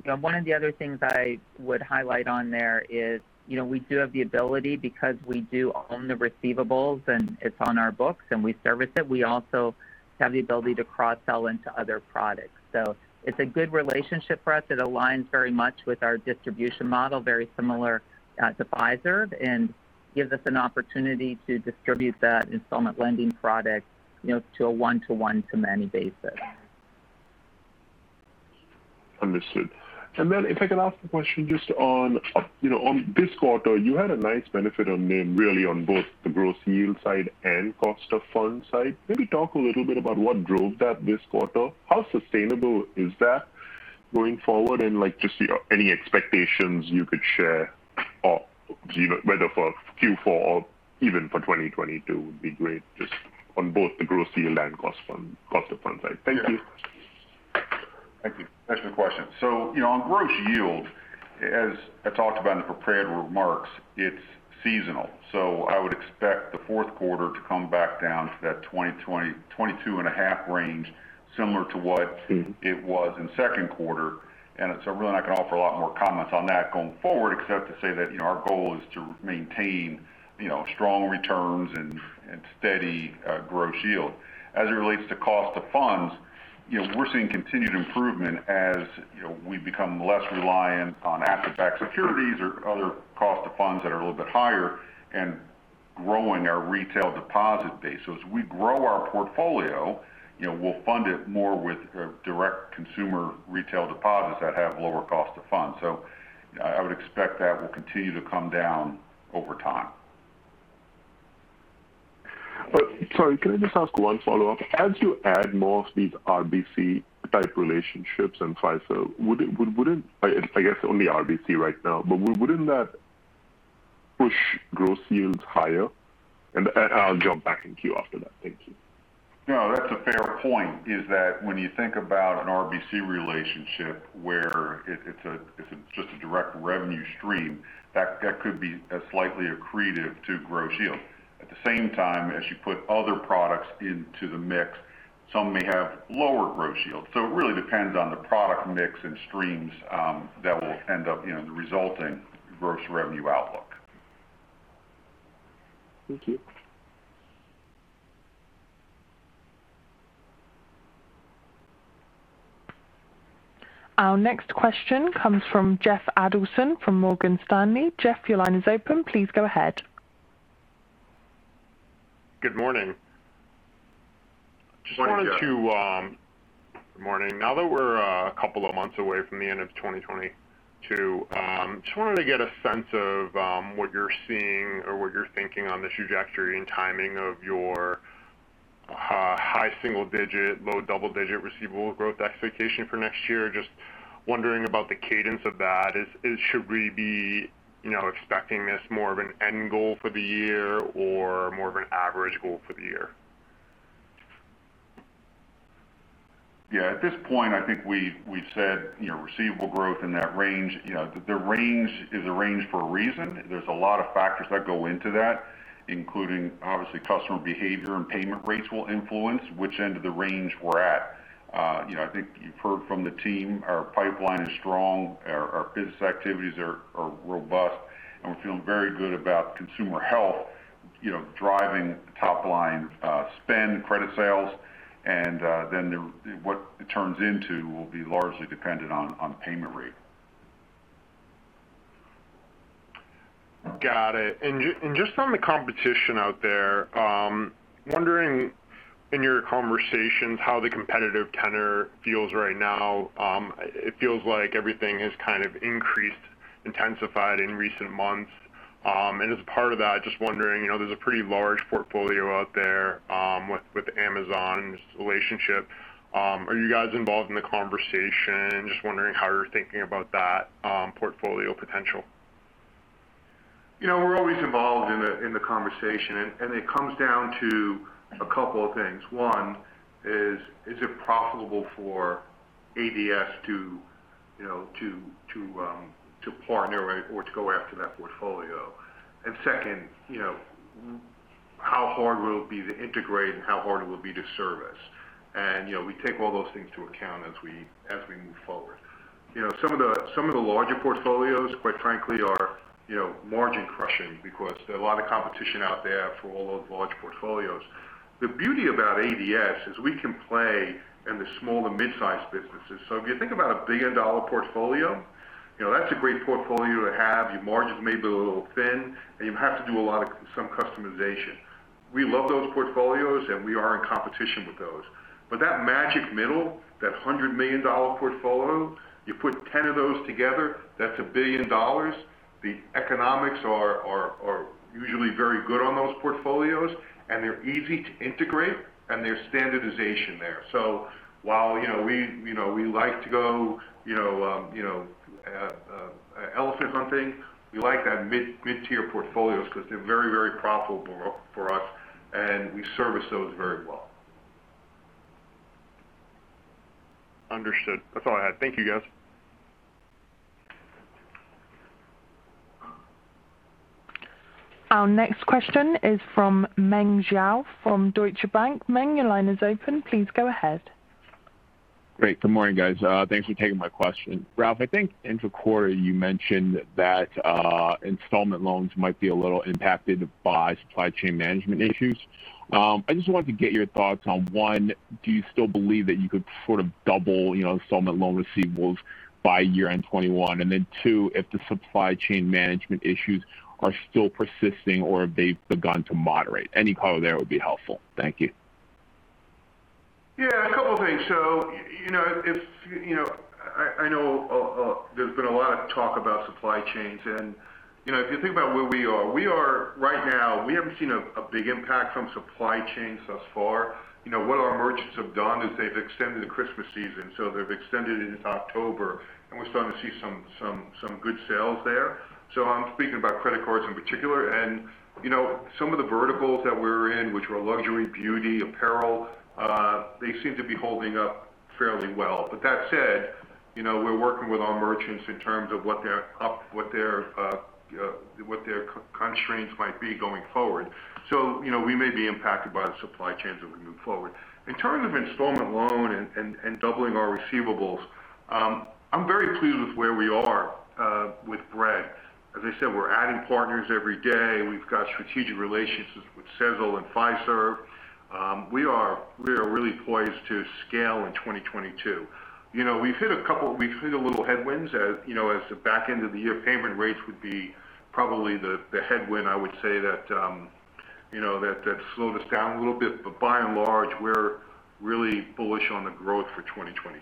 One of the other things I would highlight on there is, you know, we do have the ability because we do own the receivables and it's on our books and we service it. We also have the ability to cross-sell into other products. It's a good relationship for us. It aligns very much with our distribution model, very similar to Fiserv, and gives us an opportunity to distribute that installment lending product, you know, to a one-to-one to many basis. Understood. Then if I could ask a question just on, you know, on this quarter, you had a nice benefit on them really on both the gross yield side and cost of funds side. Maybe talk a little bit about what drove that this quarter. How sustainable is that going forward? Like, just any expectations you could share or, you know, whether for Q4 or even for 2022 would be great just on both the gross yield and cost of funds side. Thank you. Thank you. Excellent question. You know, on gross yield, as I talked about in the prepared remarks, it's seasonal. I would expect the fourth quarter to come back down to that 22.5% range similar to what it was in second quarter. Really, I can offer a lot more comments on that going forward, except to say that, you know, our goal is to maintain, you know, strong returns and steady gross yield. As it relates to cost of funds, you know, we're seeing continued improvement as, you know, we become less reliant on asset-backed securities or other cost of funds that are a little bit higher and growing our retail deposit base. As we grow our portfolio, you know, we'll fund it more with direct consumer retail deposits that have lower cost of funds. I would expect that will continue to come down over time. Sorry, can I just ask one follow-up? As you add more of these RBC type relationships and Fiserv, I guess only RBC right now, but wouldn't that push gross yields higher? I'll jump back in queue after that. Thank you. No, that's a fair point, in that when you think about an RBC relationship where it's just a direct revenue stream, that could be slightly accretive to gross yield. At the same time as you put other products into the mix, some may have lower gross yield. It really depends on the product mix and streams that will end up, you know, the resulting gross revenue outlook. Thank you. Our next question comes from Jeff Adelson from Morgan Stanley. Jeff, your line is open. Please go ahead. Good morning. Morning, Jeff. Just wanted to. Good morning. Now that we're a couple of months away from the end of 2022, just wanted to get a sense of what you're seeing or what you're thinking on the trajectory and timing of your high single-digit, low double-digit receivable growth expectation for next year. Just wondering about the cadence of that. Should we be, you know, expecting this more of an end goal for the year or more of an average goal for the year? Yeah. At this point, I think we said, you know, receivable growth in that range. You know, the range is a range for a reason. There's a lot of factors that go into that, including obviously customer behavior and payment rates will influence which end of the range we're at. You know, I think you've heard from the team, our pipeline is strong, our business activities are robust, and we're feeling very good about consumer health, you know, driving top line, spend, credit sales. What it turns into will be largely dependent on payment rate. Got it. Just on the competition out there, wondering in your conversations how the competitive tenor feels right now. It feels like everything has kind of increased, intensified in recent months. As a part of that, just wondering, you know, there's a pretty large portfolio out there, with Amazon's relationship. Are you guys involved in the conversation? Just wondering how you're thinking about that, portfolio potential. You know, we're always involved in the conversation, and it comes down to a couple of things. One, is it profitable for ADS to, you know, to partner or to go after that portfolio? Second, you know, how hard will it be to integrate and how hard it will be to service? You know, we take all those things into account as we move forward. You know, some of the larger portfolios, quite frankly, are margin crushing because there are a lot of competition out there for all those large portfolios. The beauty about ADS is we can play in the small and mid-sized businesses. If you think about a billion-dollar portfolio, you know, that's a great portfolio to have. Your margins may be a little thin, and you have to do a lot of customization. We love those portfolios, and we are in competition with those. That magic middle, that $100 million portfolio, you put 10 of those together, that's $1 billion. The economics are usually very good on those portfolios, and they're easy to integrate, and there's standardization there. While, you know, we like to go, you know, elephant hunting, we like to have mid-tier portfolios 'cause they're very, very profitable for us, and we service those very well. Understood. That's all I had. Thank you, guys. Our next question is from Meng Jiao from Deutsche Bank. Meng, your line is open. Please go ahead. Great. Good morning, guys. Thanks for taking my question. Ralph, I think end of quarter you mentioned that installment loans might be a little impacted by supply chain management issues. I just wanted to get your thoughts on, one, do you still believe that you could sort of double, you know, installment loan receivables by year-end 2021? Two, if the supply chain management issues are still persisting or have they begun to moderate? Any color there would be helpful. Thank you. Yeah, a couple of things. You know, there's been a lot of talk about supply chains. You know, if you think about where we are, right now, we haven't seen a big impact from supply chain thus far. You know, what our merchants have done is they've extended the Christmas season. They've extended into October, and we're starting to see some good sales there. I'm speaking about credit cards in particular. You know, some of the verticals that we're in, which were luxury, beauty, apparel, they seem to be holding up fairly well. That said, you know, we're working with our merchants in terms of what their constraints might be going forward. You know, we may be impacted by the supply chains as we move forward. In terms of installment loan and doubling our receivables, I'm very pleased with where we are with Bread. As I said, we're adding partners every day. We've got strategic relationships with Sezzle and Fiserv. We are really poised to scale in 2022. You know, we've hit a little headwinds as you know, as the back end of the year. Payment rates would be probably the headwind, I would say, that you know, that slowed us down a little bit. But by and large, we're really bullish on the growth for 2022.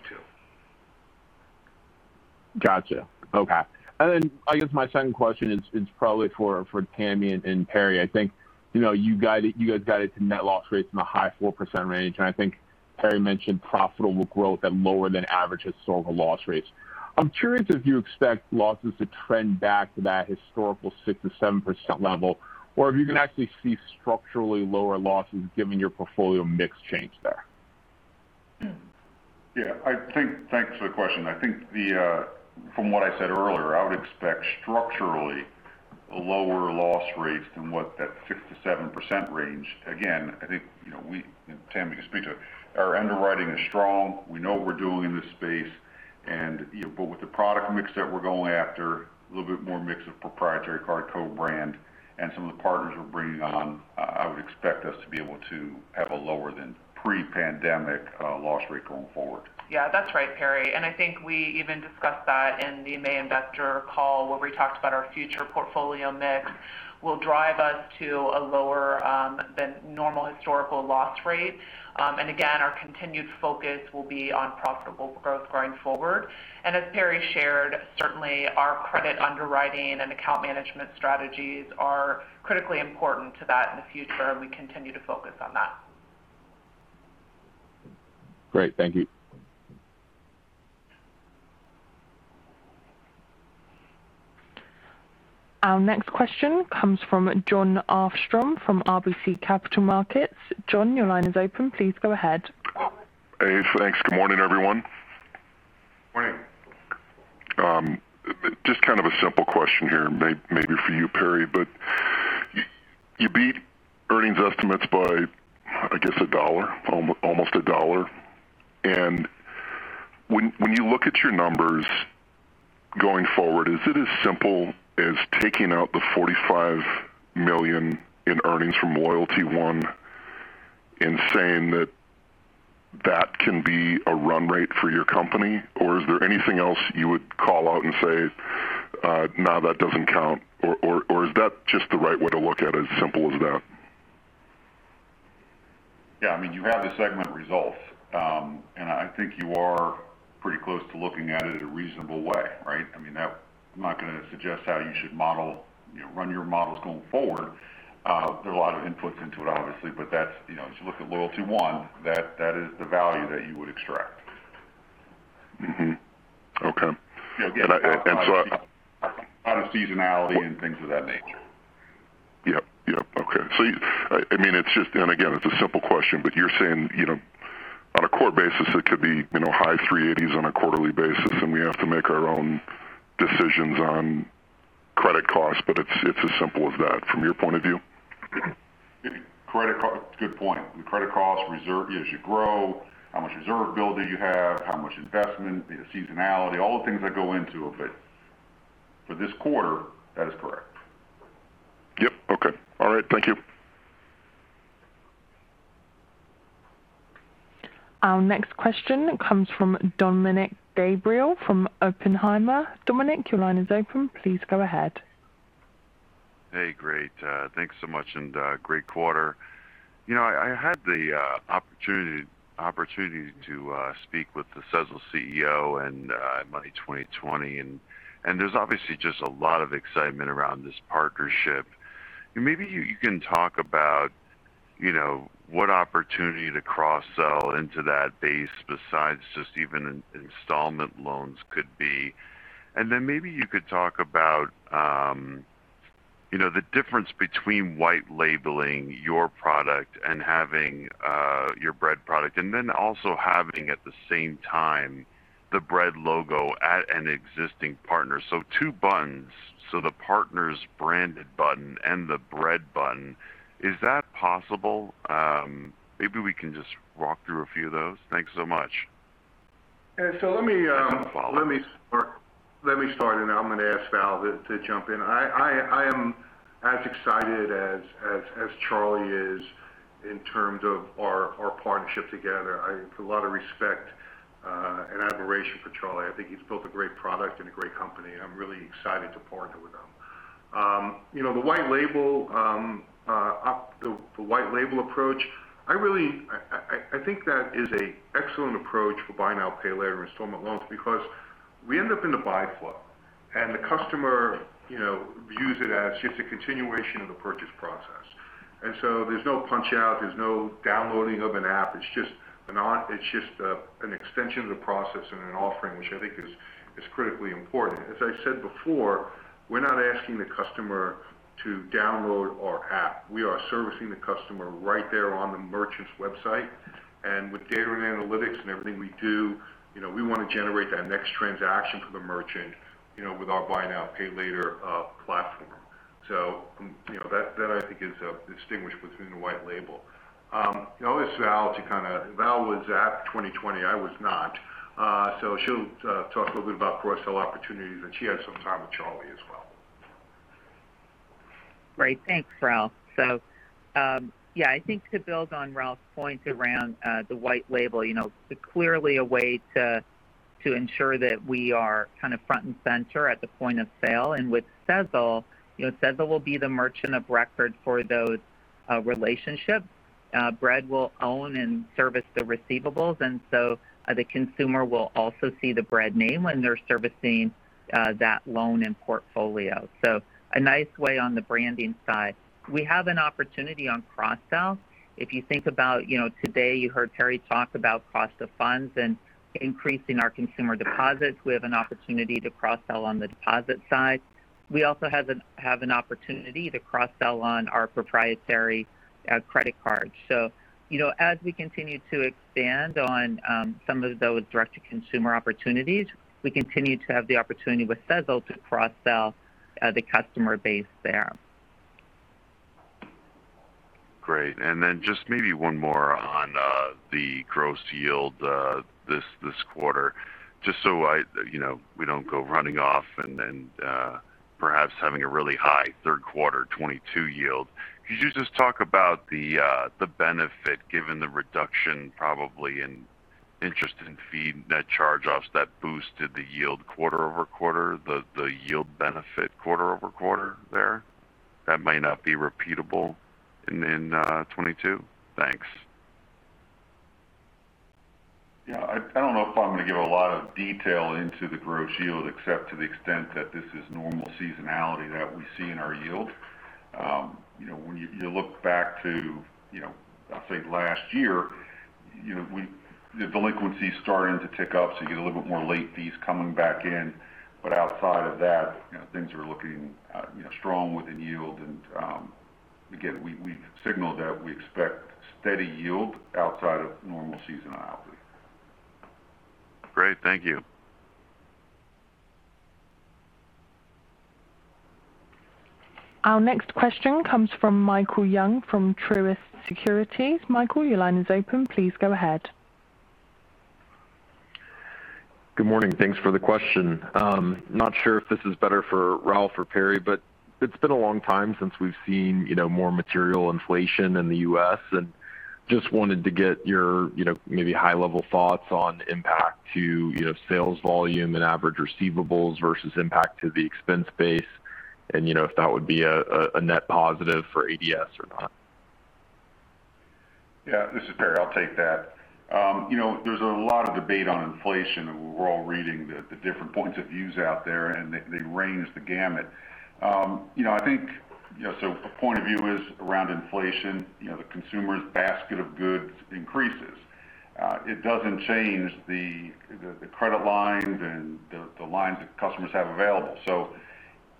Gotcha. Okay. I guess my second question is probably for Tammy and Perry. I think, you know, you guys got it to net loss rates in the high 4% range. I think Perry mentioned profitable growth at lower than average historical loss rates. I'm curious if you expect losses to trend back to that historical 6%-7% level or if you can actually see structurally lower losses given your portfolio mix change there. Thanks for the question. I think from what I said earlier, I would expect structurally lower loss rates than what that 6%-7% range. Again, I think, you know, we, and Tammy can speak to it. Our underwriting is strong. We know what we're doing in this space and, you know, but with the product mix that we're going after, a little bit more mix of proprietary card co-brand and some of the partners we're bringing on, I would expect us to be able to have a lower than pre-pandemic loss rate going forward. Yeah, that's right, Perry. I think we even discussed that in the May investor call where we talked about our future portfolio mix will drive us to a lower than normal historical loss rate. Again, our continued focus will be on profitable growth going forward. As Perry shared, certainly our credit underwriting and account management strategies are critically important to that in the future, and we continue to focus on that. Great. Thank you. Our next question comes from Jon Arfstrom from RBC Capital Markets. Jon, your line is open. Please go ahead. Hey, thanks. Good morning, everyone. Morning. Just kind of a simple question here, maybe for you, Perry. You beat earnings estimates by, I guess, a dollar, almost a dollar. When you look at your numbers going forward, is it as simple as taking out the $45 million in earnings from LoyaltyOne and saying that that can be a run rate for your company? Or is there anything else you would call out and say, "no, that doesn't count"? Or is that just the right way to look at it, as simple as that? Yeah. I mean, you have the segment results. I think you are pretty close to looking at it in a reasonable way, right? I mean, I'm not gonna suggest how you should model, you know, run your models going forward. There are a lot of inputs into it, obviously, but that's, you know, as you look at LoyaltyOne, that is the value that you would extract. Mm-hmm. Okay. Yeah. And I, and so I- Out of seasonality and things of that nature. Yep. Okay. I mean, it's just, and again, it's a simple question, but you're saying, you know, on a core basis, it could be, you know, high 380s on a quarterly basis, and we have to make our own decisions on credit costs, but it's as simple as that from your point of view? Good point. The credit cost reserve, as you grow, how much reserve build that you have, how much investment, seasonality, all the things that go into it. But for this quarter, that is correct. Yep. Okay. All right. Thank you. Our next question comes from Dominick Gabriele from Oppenheimer. Dominic, your line is open. Please go ahead. Hey, great. Thanks so much and great quarter. You know, I had the opportunity to speak with the Sezzle CEO in Money20/20, and there's obviously just a lot of excitement around this partnership. Maybe you can talk about, you know, what opportunity to cross-sell into that base besides just even installment loans could be. Maybe you could talk about, you know, the difference between white labeling your product and having your Bread product, and then also having, at the same time, the Bread logo at an existing partner. Two buttons. The partner's branded button and the Bread button. Is that possible? Maybe we can just walk through a few of those. Thanks so much. Yeah. Let me Follow up. Let me start, and I'm gonna ask Val to jump in. I am as excited as Charlie is in terms of our partnership together. I have a lot of respect and admiration for Charlie. I think he's built a great product and a great company. I'm really excited to partner with him. You know, the white label approach, I really think that is an excellent approach for buy now, pay later installment loans because we end up in the buy flow. The customer, you know, views it as just a continuation of the purchase process. There's no punch out, there's no downloading of an app. It's just an extension of the process and an offering, which I think is critically important. As I said before, we're not asking the customer to download our app. We are servicing the customer right there on the merchant's website. With data and analytics and everything we do, you know, we wanna generate that next transaction for the merchant, you know, with our buy now, pay later platform. You know, that I think is distinguished between the white label. I'll ask Val. Val was at Money20/20. I was not. She'll talk a little bit about cross-sell opportunities, and she had some time with Charlie as well. Great. Thanks, Ralph. I think to build on Ralph's point around the white label, you know, it's clearly a way to ensure that we are kind of front and center at the point of sale. With Sezzle, you know, Sezzle will be the merchant of record for those relationships. Bread will own and service the receivables, and so the consumer will also see the Bread name when they're servicing that loan and portfolio. A nice way on the branding side. We have an opportunity on cross-sell. If you think about, you know, today you heard Perry talk about cost of funds and increasing our consumer deposits. We have an opportunity to cross-sell on the deposit side. We also have an opportunity to cross-sell on our proprietary credit card. you know, as we continue to expand on some of those direct-to-consumer opportunities, we continue to have the opportunity with Sezzle to cross-sell the customer base there. Great. Just maybe one more on the gross yield this quarter, just so I, you know, we don't go running off and then perhaps having a really high third quarter 2022 yield. Could you just talk about the benefit given the reduction probably in interest and fee net charge-offs that boosted the yield quarter-over-quarter, the yield benefit quarter-over-quarter there that might not be repeatable in 2022? Thanks. Yeah. I don't know if I'm going to give a lot of detail into the gross yield except to the extent that this is normal seasonality that we see in our yield. You know, when you look back to, you know, I'd say last year, you know, the delinquencies starting to tick up, so you get a little bit more late fees coming back in. But outside of that, you know, things are looking, you know, strong within yield. Again, we signaled that we expect steady yield outside of normal seasonality. Great. Thank you. Our next question comes from Michael Young from Truist Securities. Michael, your line is open. Please go ahead. Good morning. Thanks for the question. Not sure if this is better for Ralph or Perry, but it's been a long time since we've seen, you know, more material inflation in the U.S., and just wanted to get your, you know, maybe high-level thoughts on impact to, you know, sales volume and average receivables versus impact to the expense base and, you know, if that would be a net positive for ADS or not. Yeah. This is Perry. I'll take that. You know, there's a lot of debate on inflation, and we're all reading the different points of view out there, and they range the gamut. You know, I think, you know, a point of view is around inflation, you know, the consumer's basket of goods increases. It doesn't change the credit lines and the lines that customers have available.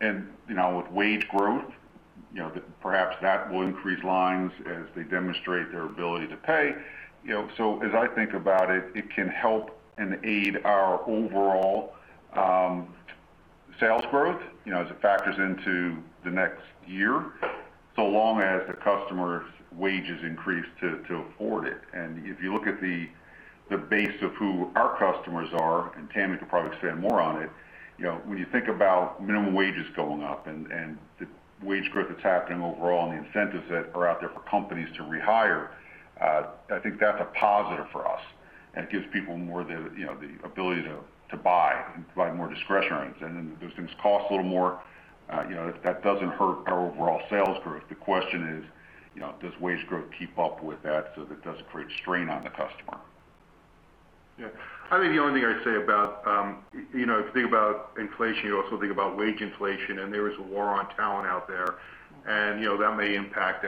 You know, with wage growth, you know, perhaps that will increase lines as they demonstrate their ability to pay. You know, as I think about it can help and aid our overall sales growth, you know, as it factors into the next year, so long as the customer's wages increase to afford it. If you look at the base of who our customers are, and Tammy could probably expand more on it, you know, when you think about minimum wages going up and the wage growth that's happening overall and the incentives that are out there for companies to rehire, I think that's a positive for us, and it gives people more, you know, the ability to buy and provide more discretion. Those things cost a little more. You know, that doesn't hurt our overall sales growth. The question is, you know, does wage growth keep up with that so that it doesn't create strain on the customer? Yeah. I think the only thing I'd say about, you know, if you think about inflation, you also think about wage inflation, and there is a war on talent out there. You know, that may impact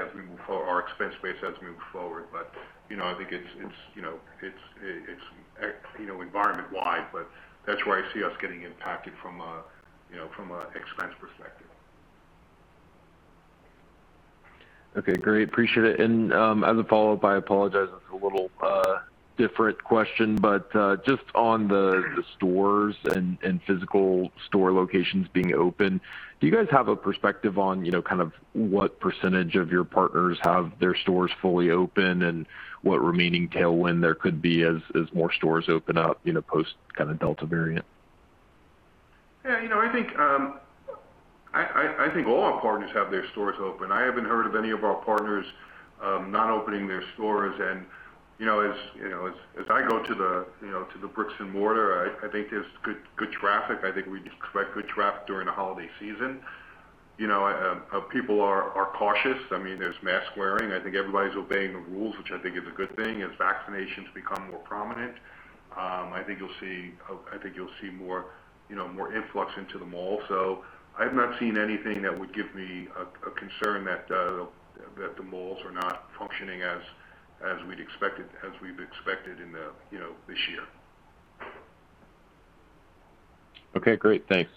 our expense base as we move forward. You know, I think it's environment wide, but that's where I see us getting impacted from a, you know, from a expense perspective. Okay. Great. Appreciate it. As a follow-up, I apologize, it's a little different question, but just on the stores and physical store locations being open, do you guys have a perspective on, you know, kind of what percentage of your partners have their stores fully open and what remaining tailwind there could be as more stores open up, you know, post kind of Delta variant? Yeah. You know, I think all our partners have their stores open. I haven't heard of any of our partners not opening their stores. You know, as I go to the brick and mortar, I think there's good traffic. I think we expect good traffic during the holiday season. You know, people are cautious. I mean, there's mask wearing. I think everybody's obeying the rules, which I think is a good thing. As vaccinations become more prominent, I think you'll see more influx into the mall. I've not seen anything that would give me a concern that the malls are not functioning as we'd expected in this year. Okay, great. Thanks.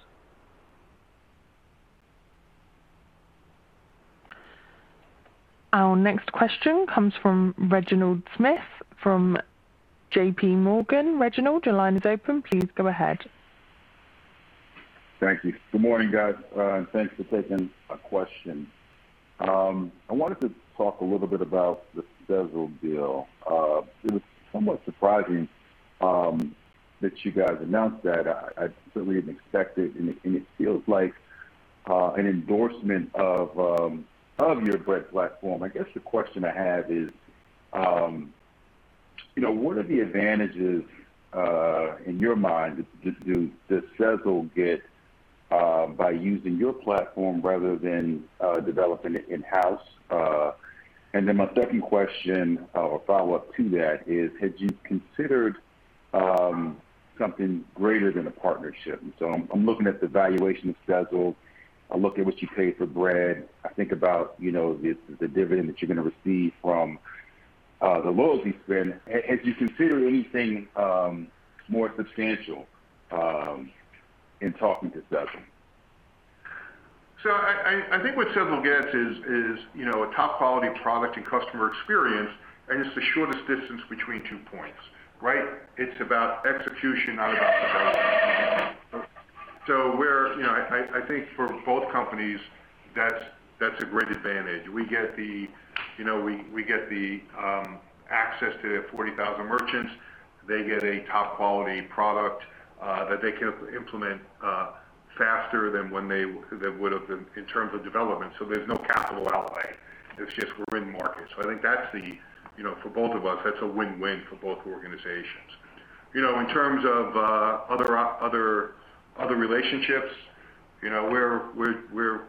Our next question comes from Reginald Smith from J.P. Morgan. Reginald, your line is open. Please go ahead. Thank you. Good morning, guys, and thanks for taking my question. I wanted to talk a little bit about the Sezzle deal. It was somewhat surprising that you guys announced that. I certainly didn't expect it, and it feels like an endorsement of your Bread platform. I guess the question I have is, you know, what are the advantages, in your mind does Sezzle get, by using your platform rather than developing it in-house? My second question or follow-up to that is, had you considered something greater than a partnership? I'm looking at the valuation of Sezzle. I look at what you paid for Bread. I think about, you know, the dividend that you're going to receive from the loyalty spin. Have you considered anything more substantial in talking to Sezzle? I think what Sezzle gets is, you know, a top-quality product and customer experience, and it's the shortest distance between two points, right? It's about execution, not about development. You know, I think for both companies, that's a great advantage. We get the, you know, access to their 40,000 merchants. They get a top-quality product that they can implement faster than would have been in terms of development. There's no capital outlay. It's just we're in market. I think that's, you know, for both of us, that's a win-win for both organizations. You know, in terms of other relationships, you know, we're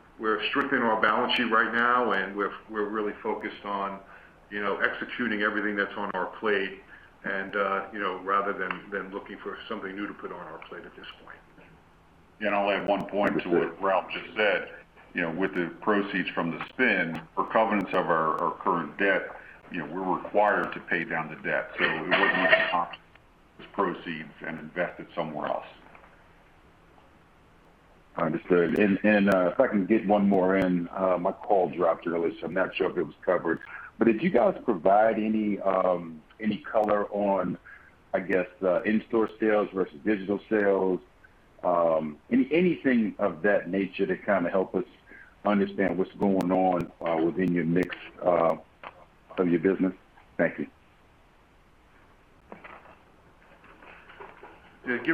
shrinking our balance sheet right now, and we're really focused on, you know, executing everything that's on our plate and, you know, rather than looking for something new to put on our plate at this point. Yeah. I'll add one point to what Ralph just said. You know, with the proceeds from the spin for covenants of our current debt, you know, we're required to pay down the debt. It wouldn't be possible to take those proceeds and invest it somewhere else. Understood. If I can get one more in, my call dropped earlier, so I'm not sure if it was covered. Did you guys provide any color on, I guess, in-store sales versus digital sales? Anything of that nature to kind of help us understand what's going on within your mix of your business? Thank you. If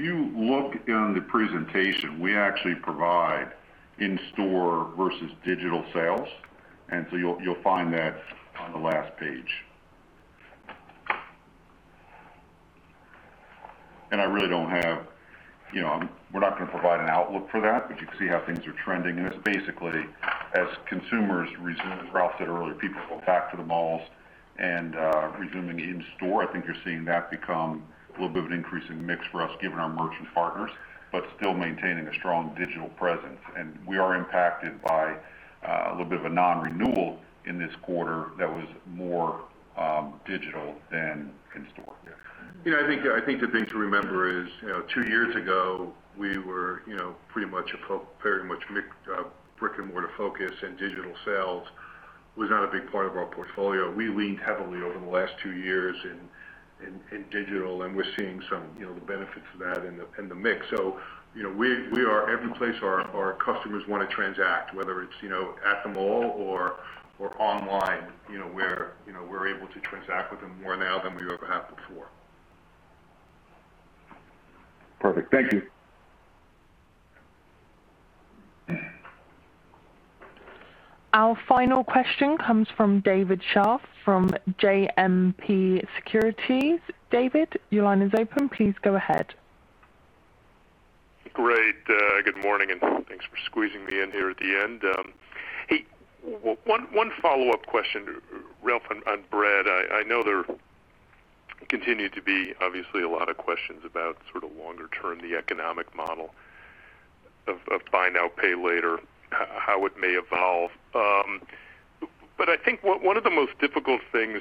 you look in the presentation, we actually provide in-store versus digital sales, and so you'll find that on the last page. I really don't have, you know, we're not going to provide an outlook for that, but you can see how things are trending. It's basically as consumers resume, as Ralph said earlier, people go back to the malls and resuming in store. I think you're seeing that become a little bit of an increase in mix for us given our merchant partners, but still maintaining a strong digital presence. We are impacted by a little bit of a non-renewal in this quarter that was more digital than in store. Yeah. You know, I think the thing to remember is, you know, two years ago, we were, you know, pretty much very much brick-and-mortar focused, and digital sales was not a big part of our portfolio. We leaned heavily over the last two years in digital, and we're seeing some, you know, the benefits of that in the mix. You know, we are every place our customers want to transact, whether it's, you know, at the mall or online, you know, we're able to transact with them more now than we ever have before. Perfect. Thank you. Our final question comes from David Scharf from JMP Securities. David, your line is open. Please go ahead. Great. Good morning, and thanks for squeezing me in here at the end. Hey, one follow-up question, Ralph and Bread. I know there continue to be obviously a lot of questions about sort of longer term, the economic model of buy now, pay later, how it may evolve. I think one of the most difficult things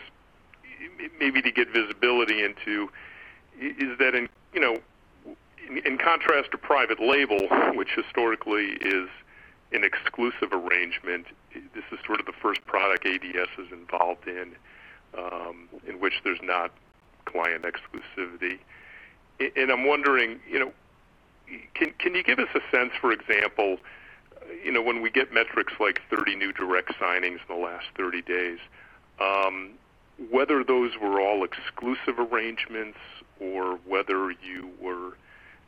maybe to get visibility into is that in, you know, in contrast to private label, which historically is an exclusive arrangement, this is sort of the first product ADS is involved in which there's not client exclusivity. I'm wondering, you know, can you give us a sense, for example, you know, when we get metrics like 30 new direct signings in the last 30 days, whether those were all exclusive arrangements or whether you were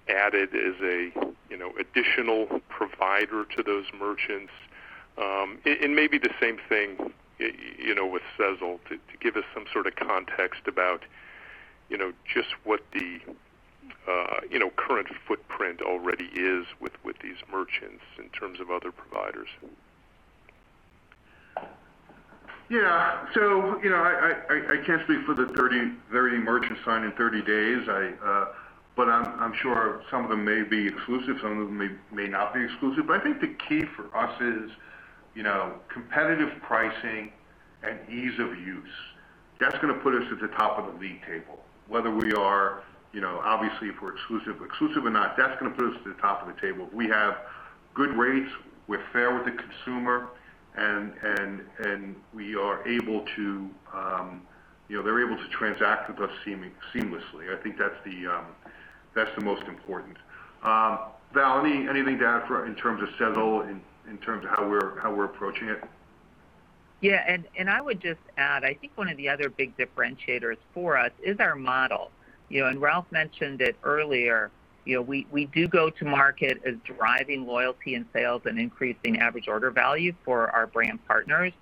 added as a, you know, additional provider to those merchants? Maybe the same thing, you know, with Sezzle to give us some sort of context about, you know, just what the current footprint already is with these merchants in terms of other providers. Yeah. You know, I can't speak for the 30 merchants signed in 30 days. I'm sure some of them may be exclusive, some of them may not be exclusive. I think the key for us is competitive pricing and ease of use. That's gonna put us at the top of the league table. Whether we are, you know, obviously, if we're exclusive or not, that's gonna put us to the top of the table. We have good rates, we're fair with the consumer, and we are able to, you know, they're able to transact with us seamlessly. I think that's the most important. Val, anything to add in terms of Sezzle, in terms of how we're approaching it? Yeah. I would just add, I think one of the other big differentiators for us is our model. You know, Ralph mentioned it earlier. You know, we do go to market as driving loyalty and sales and increasing average order value for our brand partners.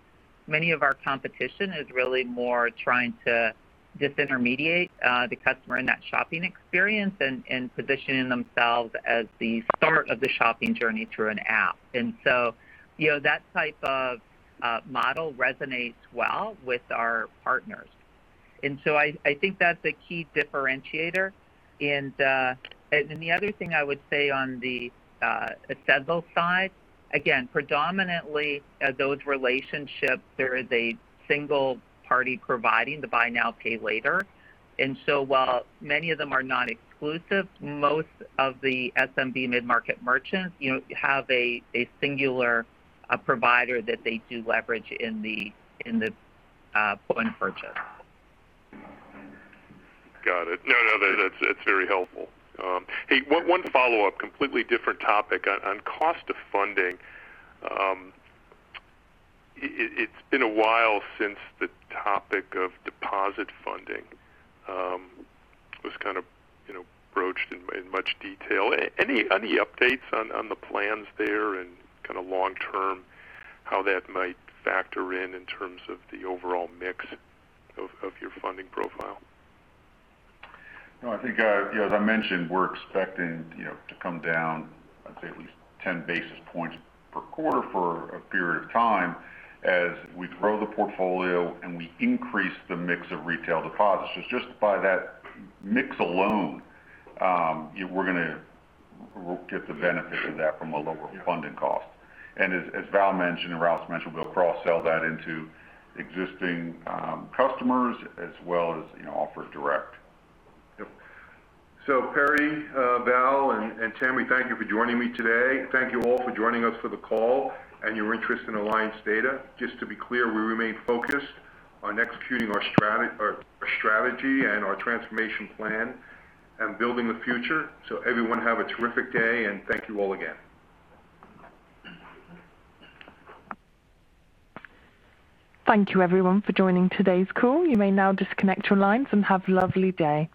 Many of our competition is really more trying to disintermediate the customer in that shopping experience and positioning themselves as the start of the shopping journey through an app. You know, that type of model resonates well with our partners. The other thing I would say on the Sezzle side, again, predominantly those relationships, there is a single party providing the buy now, pay later. While many of them are non-exclusive, most of the SMB mid-market merchants, you know, have a singular provider that they do leverage in the point of purchase. Got it. No, that's very helpful. Hey, one follow-up, completely different topic. On cost of funding, it's been a while since the topic of deposit funding was kind of, you know, broached in much detail. Any updates on the plans there and kinda long term, how that might factor in terms of the overall mix of your funding profile? No, I think you know, as I mentioned, we're expecting you know, to come down. I'd say at least 10 basis points per quarter for a period of time as we grow the portfolio and we increase the mix of retail deposits. Just by that mix alone, we're gonna get the benefit of that from a lower funding cost. As Val mentioned and Ralph mentioned, we'll cross-sell that into existing customers as well as you know, offer direct. Yep. Perry, Val and Tim, we thank you for joining me today. Thank you all for joining us for the call and your interest in Alliance Data. Just to be clear, we remain focused on executing our strategy and our transformation plan and building the future. Everyone have a terrific day, and thank you all again. Thank you everyone for joining today's call. You may now disconnect your lines and have a lovely day.